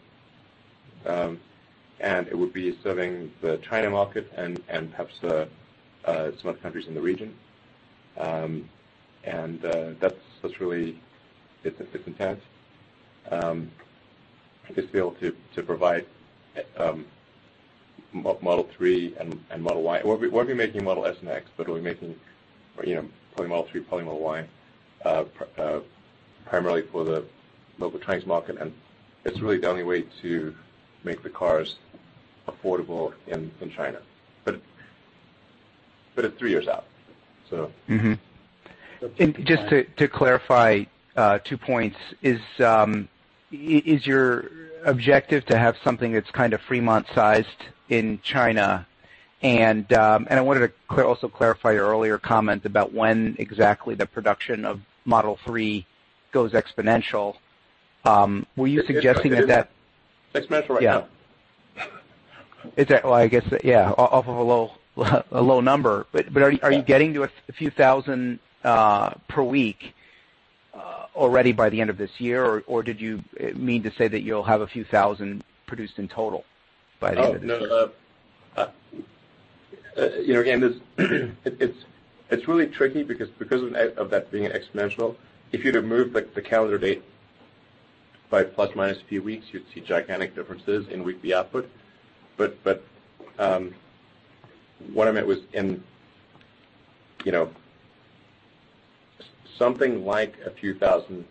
It would be serving the China market and perhaps some other countries in the region. That's really, it's the intent, is to be able to provide Model 3 and Model Y. We won't be making Model S and X, but we'll be making probably Model 3, probably Model Y, primarily for the local Chinese market, and it's really the only way to make the cars affordable in China. It's three years out, so. Just to clarify two points, is your objective to have something that's kind of Fremont sized in China? I wanted to also clarify your earlier comment about when exactly the production of Model 3 goes exponential. Were you suggesting that- Exponential right now. Well, I guess, yeah, off of a low number. Are you getting to a few thousand per week already by the end of this year, or did you mean to say that you'll have a few thousand produced in total by the end of this year? No. It's really tricky because of that being an exponential. If you were to move the calendar date by plus or minus a few weeks, you'd see gigantic differences in weekly output. What I meant was in something like a few thousand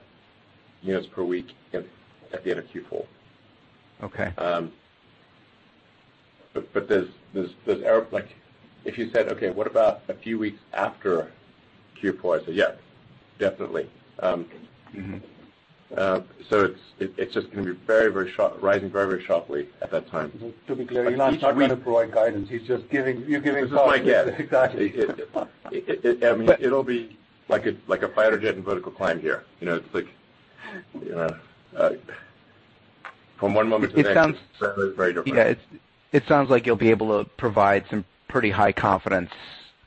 units per week at the end of Q4. Okay. If you said, okay, what about a few weeks after Q4? I'd say yes, definitely. It's just going to be rising very sharply at that time. To be clear, Elon's not going to provide guidance. He's just giving- Just my guess. Exactly. It'll be like a fighter jet in vertical climb here. It's like from one moment to the next, very different. Yeah. It sounds like you'll be able to provide some pretty high confidence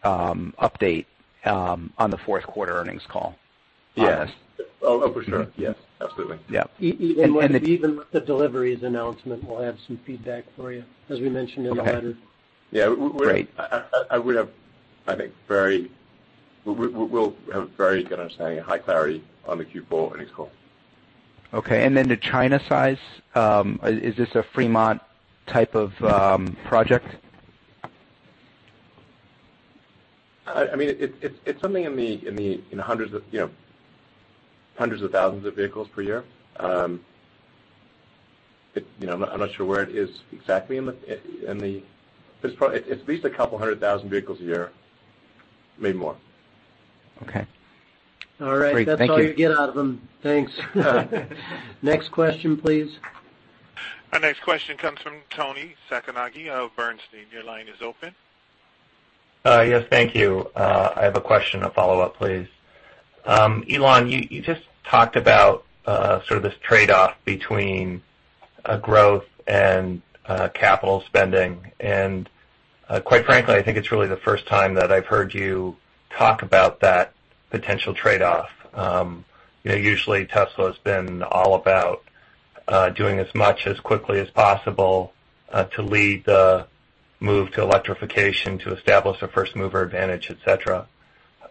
update on the fourth quarter earnings call. Yes. Oh, for sure. Yes, absolutely. Yeah. Even with the deliveries announcement, we'll have some feedback for you, as we mentioned in the letter. Okay. Great. Yeah. We'll have a very good understanding and high clarity on the Q4 earnings call. Okay. Then the China size, is this a Fremont type of project? It's something in the hundreds of thousands of vehicles per year. I'm not sure where it is exactly. It's at least a couple hundred thousand vehicles a year, maybe more. Okay. All right. Great. Thank you. That's all you get out of him. Thanks. Next question, please. Our next question comes from Toni Sacconaghi of Bernstein. Your line is open. Yes, thank you. I have a question to follow up, please. Elon, you just talked about sort of this trade-off between growth and capital spending, and quite frankly, I think it's really the first time that I've heard you talk about that potential trade-off. Usually, Tesla's been all about doing as much as quickly as possible to lead the move to electrification, to establish a first-mover advantage, et cetera.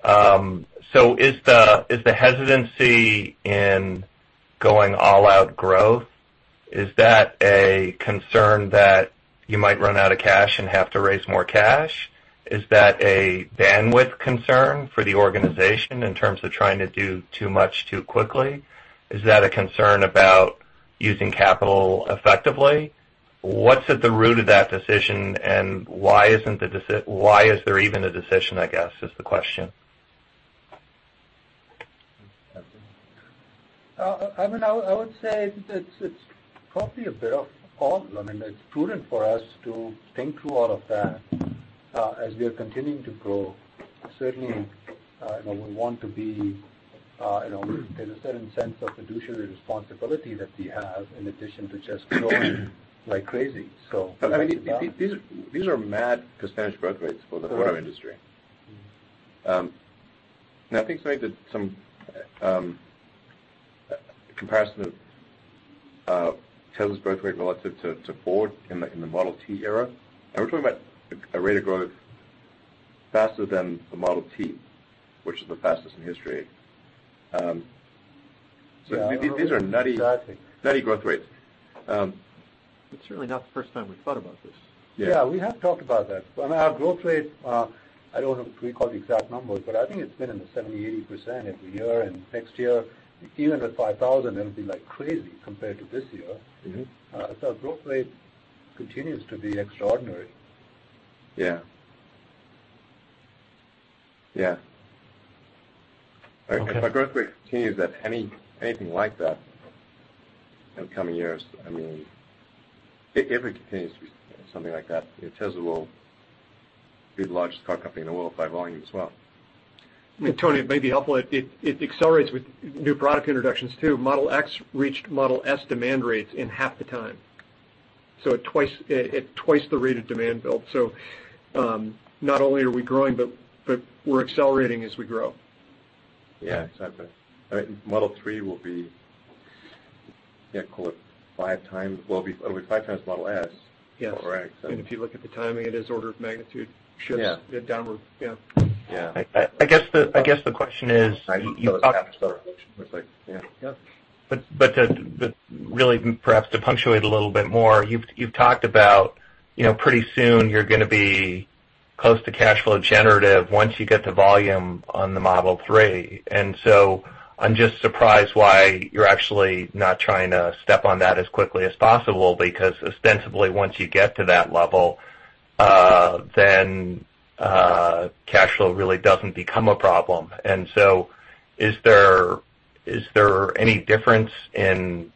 Is the hesitancy in going all-out growth, is that a concern that you might run out of cash and have to raise more cash? Is that a bandwidth concern for the organization in terms of trying to do too much too quickly? Is that a concern about using capital effectively? What's at the root of that decision, and why is there even a decision, I guess, is the question? I would say it's probably a bit of all. It's prudent for us to think through all of that as we are continuing to grow. Certainly, we want to be in a certain sense of fiduciary responsibility that we have in addition to just growing like crazy. These are mad % growth rates for the auto industry. I think somebody did some comparison of Tesla's growth rate relative to Ford in the Model T era. We're talking about a rate of growth faster than the Model T, which is the fastest in history. These are nutty growth rates. It's certainly not the first time we've thought about this. Yeah, we have talked about that. Our growth rate, I don't recall the exact numbers, but I think it's been in the 70, 80% every year. Next year, even with 5,000, it'll be crazy compared to this year. Our growth rate continues to be extraordinary. Yeah. If our growth rate continues at anything like that in coming years, if it continues to be something like that, Tesla will be the largest car company in the world by volume as well. Toni, it may be helpful. It accelerates with new product introductions, too. Model X reached Model S demand rates in half the time. At twice the rate of demand build. Not only are we growing, but we're accelerating as we grow. Yeah, exactly. Model 3 will be, call it five times, well, it'll be five times Model S. Yes. Correct. If you look at the timing, it is order of magnitude shifts. Yeah downward. Yeah. Yeah. I guess the question is. Yeah. Really perhaps to punctuate a little bit more, you've talked about pretty soon you're going to be close to cash flow generative once you get to volume on the Model 3. I'm just surprised why you're actually not trying to step on that as quickly as possible, because ostensibly once you get to that level, then cash flow really doesn't become a problem. Is there any difference in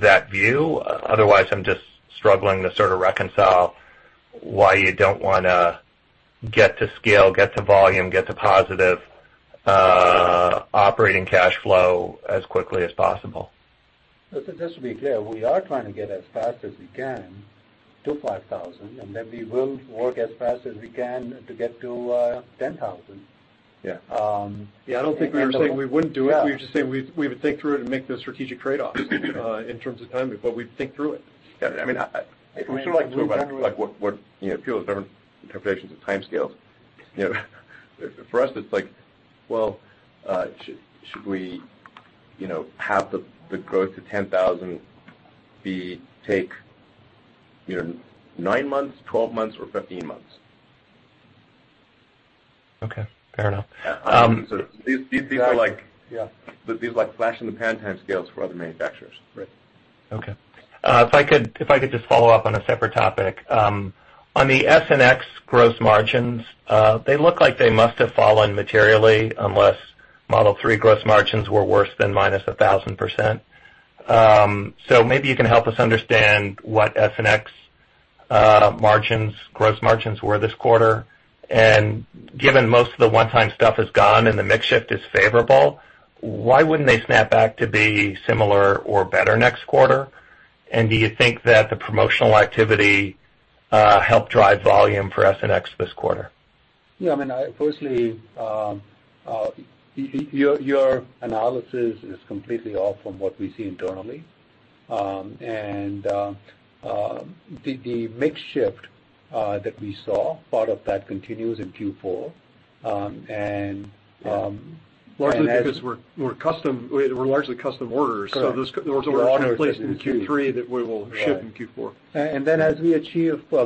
that view? Otherwise, I'm just struggling to sort of reconcile why you don't want to get to scale, get to volume, get to positive operating cash flow as quickly as possible. Just to be clear, we are trying to get as fast as we can to 5,000, we will work as fast as we can to get to 10,000. Yeah. Yeah, I don't think we were saying we wouldn't do it. We were just saying we would think through it and make the strategic trade-off in terms of timing, we'd think through it. Yeah. We can talk about what people have different interpretations of timescales. For us, it's like, well, should we have the growth to 10,000 take nine months, 12 months, or 15 months? Okay. Fair enough. These are like flash in the pan timescales for other manufacturers. Right. Okay. If I could just follow up on a separate topic. On the S and X gross margins, they look like they must have fallen materially, unless Model 3 gross margins were worse than minus 1,000%. Maybe you can help us understand what S and X gross margins were this quarter. Given most of the one-time stuff is gone and the mix shift is favorable, why wouldn't they snap back to be similar or better next quarter? Do you think that the promotional activity helped drive volume for S and X this quarter? firstly, your analysis is completely off from what we see internally. The mix shift that we saw, part of that continues in Q4. Largely because we're largely custom orders. Correct Those orders placed in Q3 that we will ship in Q4. As we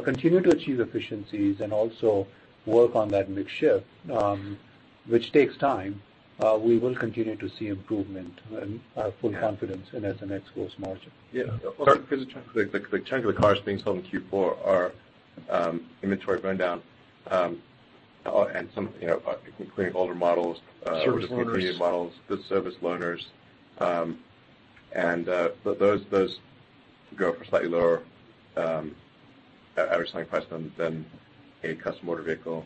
continue to achieve efficiencies and also work on that mix shift, which takes time, we will continue to see improvement and I have full confidence in S and X gross margin. Yeah. The chunk of the cars being sold in Q4 are inventory rundown, including older models. Service loaners. The service loaners. Those go for slightly lower average selling price than a customer vehicle.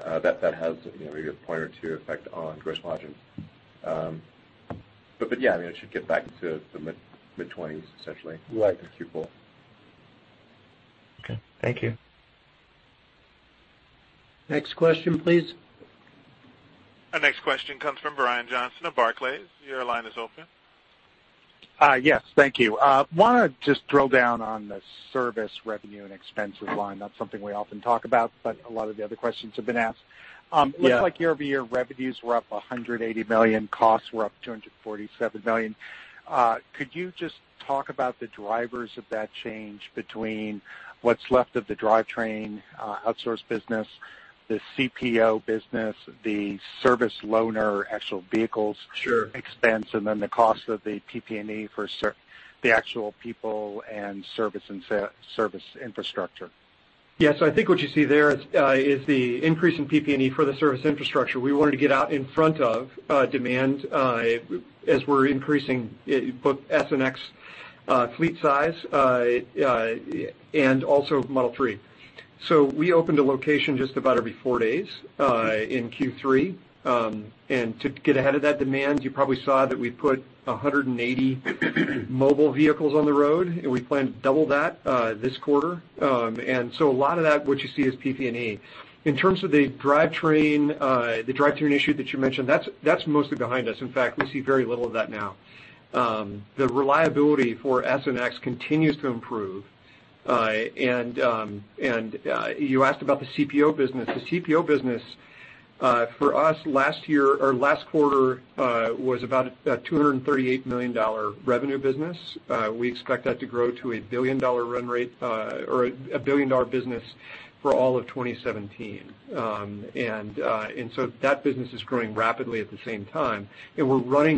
That has maybe a point or two effect on gross margins. Yeah, it should get back to the mid 20s essentially. Right In Q4. Okay. Thank you. Next question, please. Our next question comes from Brian Johnson of Barclays. Your line is open. Yes, thank you. I want to just drill down on the service revenue and expenses line. A lot of the other questions have been asked. Yeah. It looks like year-over-year revenues were up $180 million, costs were up $247 million. Could you just talk about the drivers of that change between what's left of the drivetrain outsource business, the CPO business, the service loaner, actual vehicles- Sure expense, the cost of the PP&E for the actual people and service infrastructure. Yeah. I think what you see there is the increase in PP&E for the service infrastructure. We wanted to get out in front of demand as we're increasing both S and X fleet size, also Model 3. We opened a location just about every four days in Q3. To get ahead of that demand, you probably saw that we put 180 mobile vehicles on the road, we plan to double that this quarter. A lot of that, what you see is PP&E. In terms of the drivetrain issue that you mentioned, that's mostly behind us. In fact, we see very little of that now. The reliability for S and X continues to improve. You asked about the CPO business. The CPO business for us last year or last quarter was about a $238 million revenue business. We expect that to grow to a billion-dollar run rate or a billion-dollar business for all of 2017. That business is growing rapidly at the same time. We do our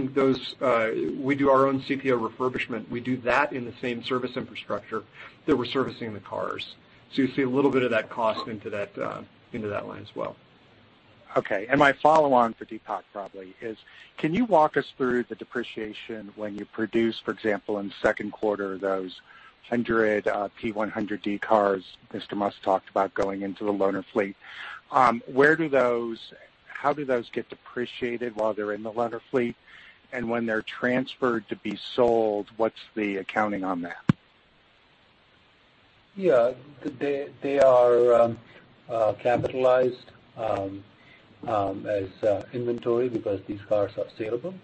own CPO refurbishment. We do that in the same service infrastructure that we're servicing the cars. You see a little bit of that cost into that line as well. Okay, my follow on for Deepak probably is, can you walk us through the depreciation when you produce, for example, in the second quarter, those 100 P100D cars Mr. Musk talked about going into the loaner fleet. How do those get depreciated while they're in the loaner fleet, and when they're transferred to be sold, what's the accounting on that? Yeah. They are capitalized as inventory because these cars are saleable.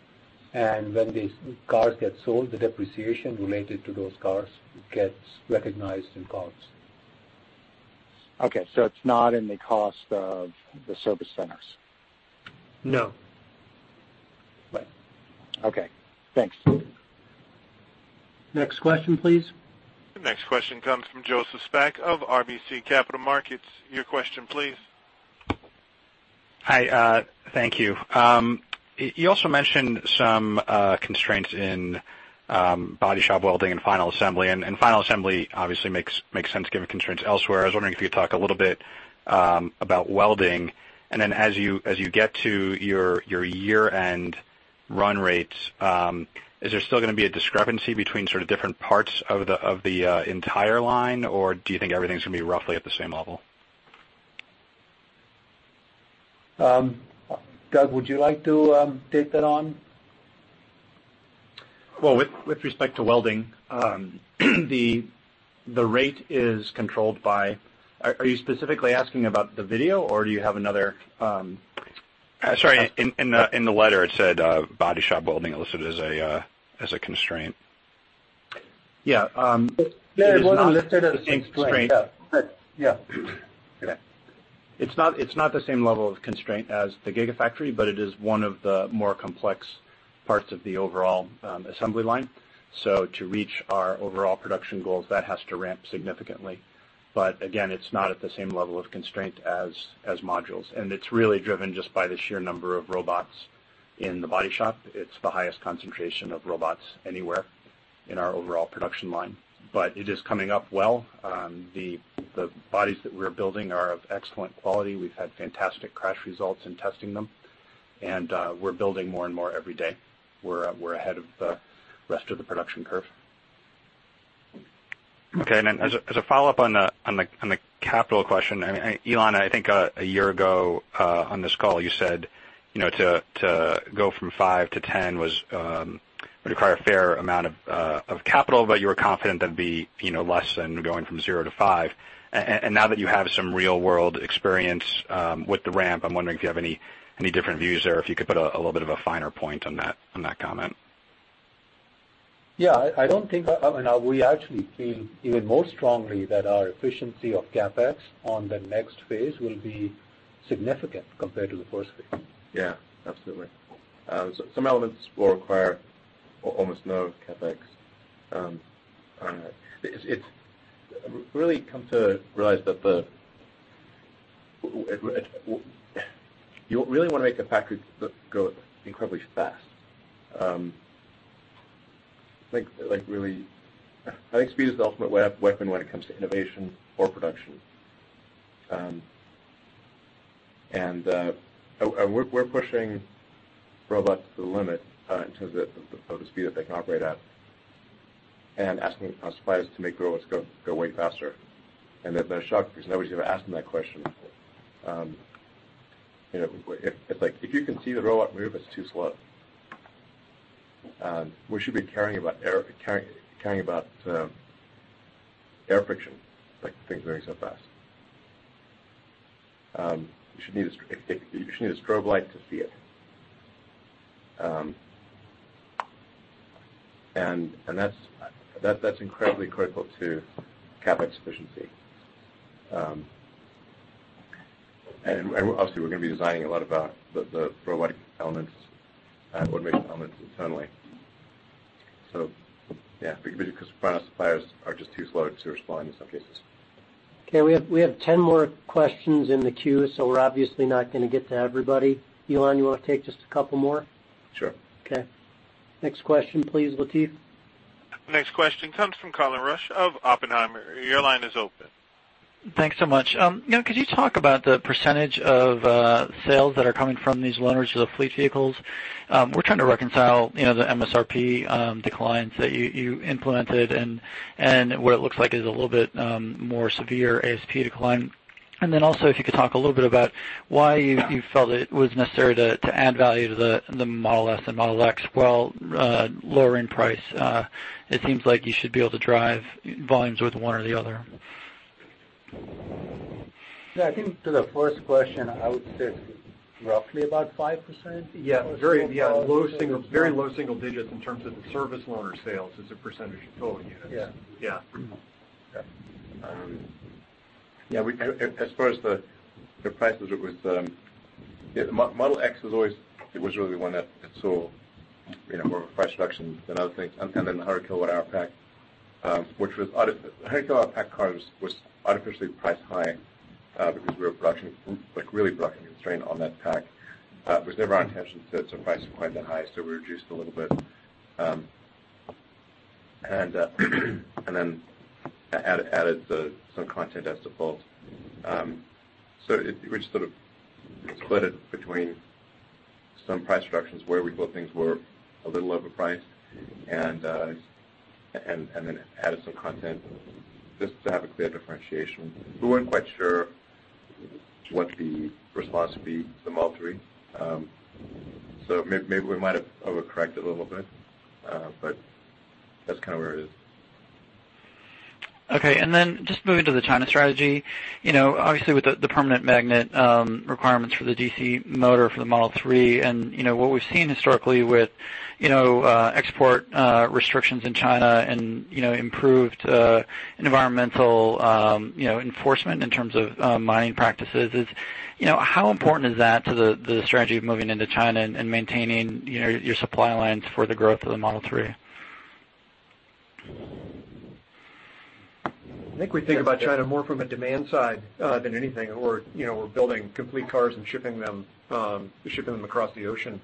When these cars get sold, the depreciation related to those cars gets recognized in COGS. Okay, it's not in the cost of the service centers. No. Right. Okay, thanks. Next question, please. The next question comes from Joseph Spak of RBC Capital Markets. Your question, please. Hi, thank you. You also mentioned some constraints in body shop welding and final assembly, and final assembly obviously makes sense given constraints elsewhere. I was wondering if you could talk a little bit about welding, and then as you get to your year-end run rates, is there still going to be a discrepancy between different parts of the entire line, or do you think everything's going to be roughly at the same level? Doug, would you like to take that on? Well, with respect to welding, the rate is controlled by. Are you specifically asking about the video, or do you have another- Sorry, in the letter it said body shop welding elicited as a constraint. Yeah. Yeah, it wasn't listed as a constraint. It's not the same level of constraint as the Gigafactory, but it is one of the more complex parts of the overall assembly line. To reach our overall production goals, that has to ramp significantly. Again, it's not at the same level of constraint as modules. It's really driven just by the sheer number of robots in the body shop. It's the highest concentration of robots anywhere in our overall production line, but it is coming up well. The bodies that we're building are of excellent quality. We've had fantastic crash results in testing them, and we're building more and more every day. We're ahead of the rest of the production curve. Okay, as a follow-up on the capital question. Elon, I think a year ago on this call, you said to go from 5-10 would require a fair amount of capital, but you were confident that'd be less than going from 0-5. Now that you have some real-world experience with the ramp, I'm wondering if you have any different views there, if you could put a little bit of a finer point on that comment. Yeah, we actually feel even more strongly that our efficiency of CapEx on the next phase will be significant compared to the first phase. Yeah, absolutely. Some elements will require almost no CapEx. Really come to realize that you really want to make the factory go incredibly fast. I think speed is the ultimate weapon when it comes to innovation or production. We're pushing robots to the limit in terms of the speed that they can operate at and asking our suppliers to make robots go way faster. They're shocked because nobody's ever asked them that question. It's like, if you can see the robot move, it's too slow. We should be caring about air friction, things moving so fast. You should need a strobe light to see it. That's incredibly critical to CapEx efficiency. Obviously, we're going to be designing a lot of the robotic elements and automated elements internally. Yeah, because final suppliers are just too slow to respond in some cases. Okay, we have 10 more questions in the queue, we're obviously not going to get to everybody. Elon, you want to take just a couple more? Sure. Okay. Next question, please, Latif. Next question comes from Colin Rusch of Oppenheimer. Your line is open. Thanks so much. Could you talk about the % of sales that are coming from these loaners of fleet vehicles? We're trying to reconcile the MSRP declines that you implemented and what it looks like is a little bit more severe ASP decline. Also, if you could talk a little bit about why you felt it was necessary to add value to the Model S and Model X while lowering price. It seems like you should be able to drive volumes with one or the other. Yeah, I think to the first question, I would say roughly about 5%. Very low single digits in terms of the service loaner sales as a % of total units. Yeah. As far as the prices with the Model X was always really the one that saw more of a price reduction than other things. The 100 kilowatt-hour pack. 100 kilowatt-hour pack car was artificially priced high, because we were really production constrained on that pack. It was never our intention to price it quite that high, so we reduced a little bit. Added some content as default. We just sort of split it between some price reductions where we thought things were a little overpriced, and then added some content just to have a clear differentiation. We weren't quite sure what the response would be to Model 3. Maybe we might have overcorrected a little bit, but that's kind of where it is. Just moving to the China strategy. Obviously, with the permanent magnet requirements for the DC motor for the Model 3, and what we've seen historically with export restrictions in China and improved environmental enforcement in terms of mining practices is, how important is that to the strategy of moving into China and maintaining your supply lines for the growth of the Model 3? I think we think about China more from a demand side than anything. We're building complete cars and shipping them across the ocean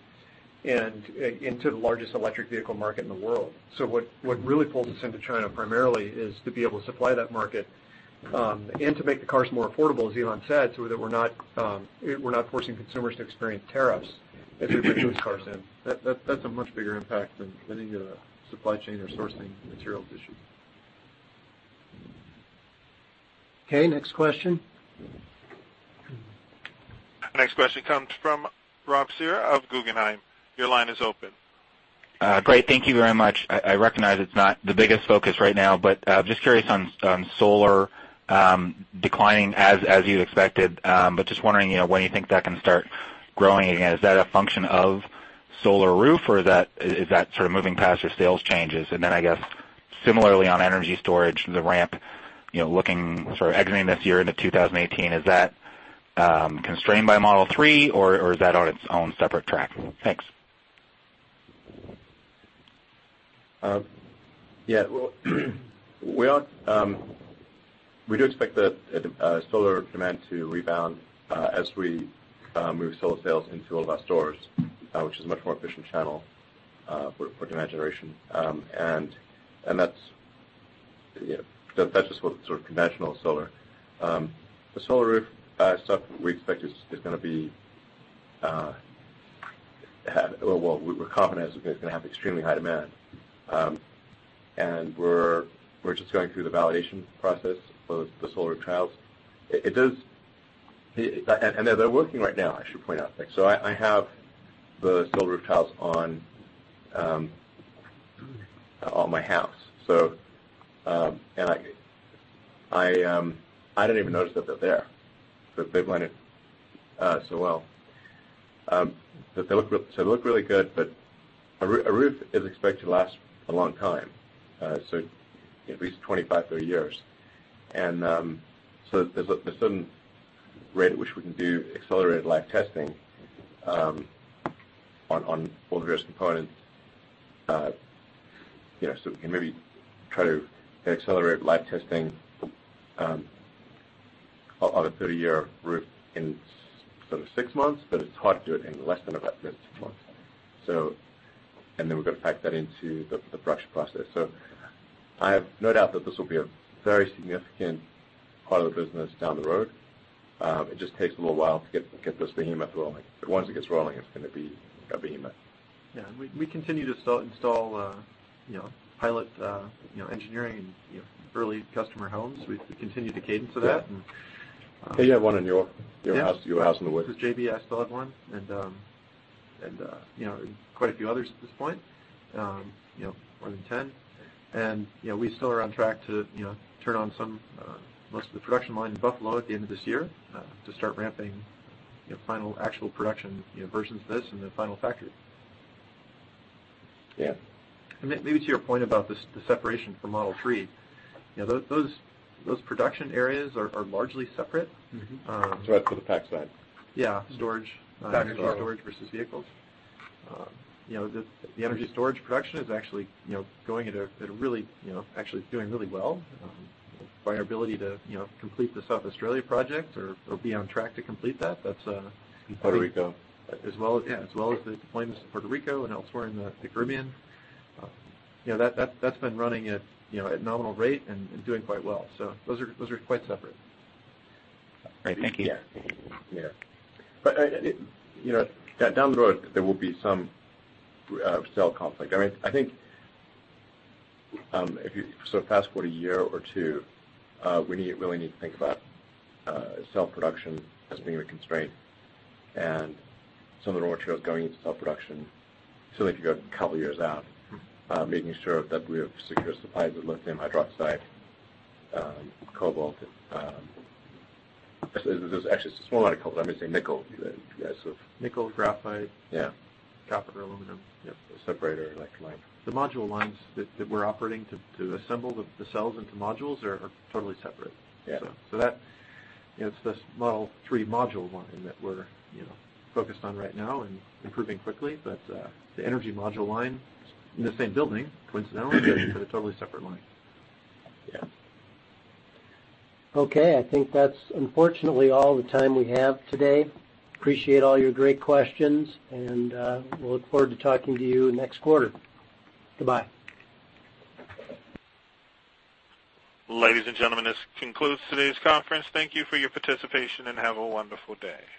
and into the largest electric vehicle market in the world. What really pulls us into China primarily is to be able to supply that market, and to make the cars more affordable, as Elon said, so that we're not forcing consumers to experience tariffs as we bring these cars in. That's a much bigger impact than any of the supply chain or sourcing materials issue. Okay, next question. Next question comes from Rob Cihra of Guggenheim. Your line is open. Great. Thank you very much. I recognize it's not the biggest focus right now, but just curious on solar declining as you expected, but just wondering when you think that can start growing again. Is that a function of Solar Roof, or is that sort of moving past your sales changes? I guess similarly on energy storage, the ramp, looking sort of exiting this year into 2018, is that constrained by Model 3, or is that on its own separate track? Thanks. Yeah. We do expect the solar demand to rebound as we move solar sales into all of our stores, which is a much more efficient channel for demand generation. That's just sort of conventional solar. The Solar Roof stuff we expect is going to be Well, we're confident it's going to have extremely high demand. We're just going through the validation process for the solar trials. They're working right now, I should point out. I have the Solar Roof tiles on my house. I don't even notice that they're there. They blend in so well. They look really good, but a roof is expected to last a long time, so at least 25, 30 years. There's some rate at which we can do accelerated life testing on all the various components. We can maybe try to accelerate life testing on a 30-year roof in sort of six months, but it's hard to do it in less than about six months. Then we've got to pack that into the production process. I have no doubt that this will be a very significant part of the business down the road. It just takes a little while to get this behemoth rolling. Once it gets rolling, it's going to be a behemoth. Yeah. We continue to install pilot engineering in early customer homes. We've continued the cadence of that. Yeah. You have one in your house in the works. Yeah. This is JB, I still have one, and quite a few others at this point, more than 10. We still are on track to turn on most of the production line in Buffalo at the end of this year to start ramping final actual production versions of this in the final factory. Yeah. maybe to your point about the separation from Model 3, those production areas are largely separate. That's for the pack side. Yeah. Storage. Pack storage. energy storage versus vehicles. The energy storage production is actually doing really well by our ability to complete the South Australia project or be on track to complete that. That's. Puerto Rico. Yeah, as well as the deployments in Puerto Rico and elsewhere in the Caribbean. That's been running at nominal rate and doing quite well. Those are quite separate. Great. Thank you. Yeah. Down the road, there will be some cell conflict. I think if you fast-forward a year or two, we really need to think about cell production as being a constraint and some of the raw materials going into cell production, certainly if you go a couple of years out, making sure that we have secure supplies of lithium hydroxide, cobalt. There's actually a small amount of cobalt. I meant to say nickel. Nickel, graphite. Yeah. Copper, aluminum. Yep. Separator, electrolyte. The module lines that we're operating to assemble the cells into modules are totally separate. Yeah. It's this Model 3 module line that we're focused on right now and improving quickly. The energy module line is in the same building, coincidentally, but a totally separate line. Yeah. Okay, I think that's unfortunately all the time we have today. Appreciate all your great questions, and we'll look forward to talking to you next quarter. Goodbye. Ladies and gentlemen, this concludes today's conference. Thank you for your participation, and have a wonderful day.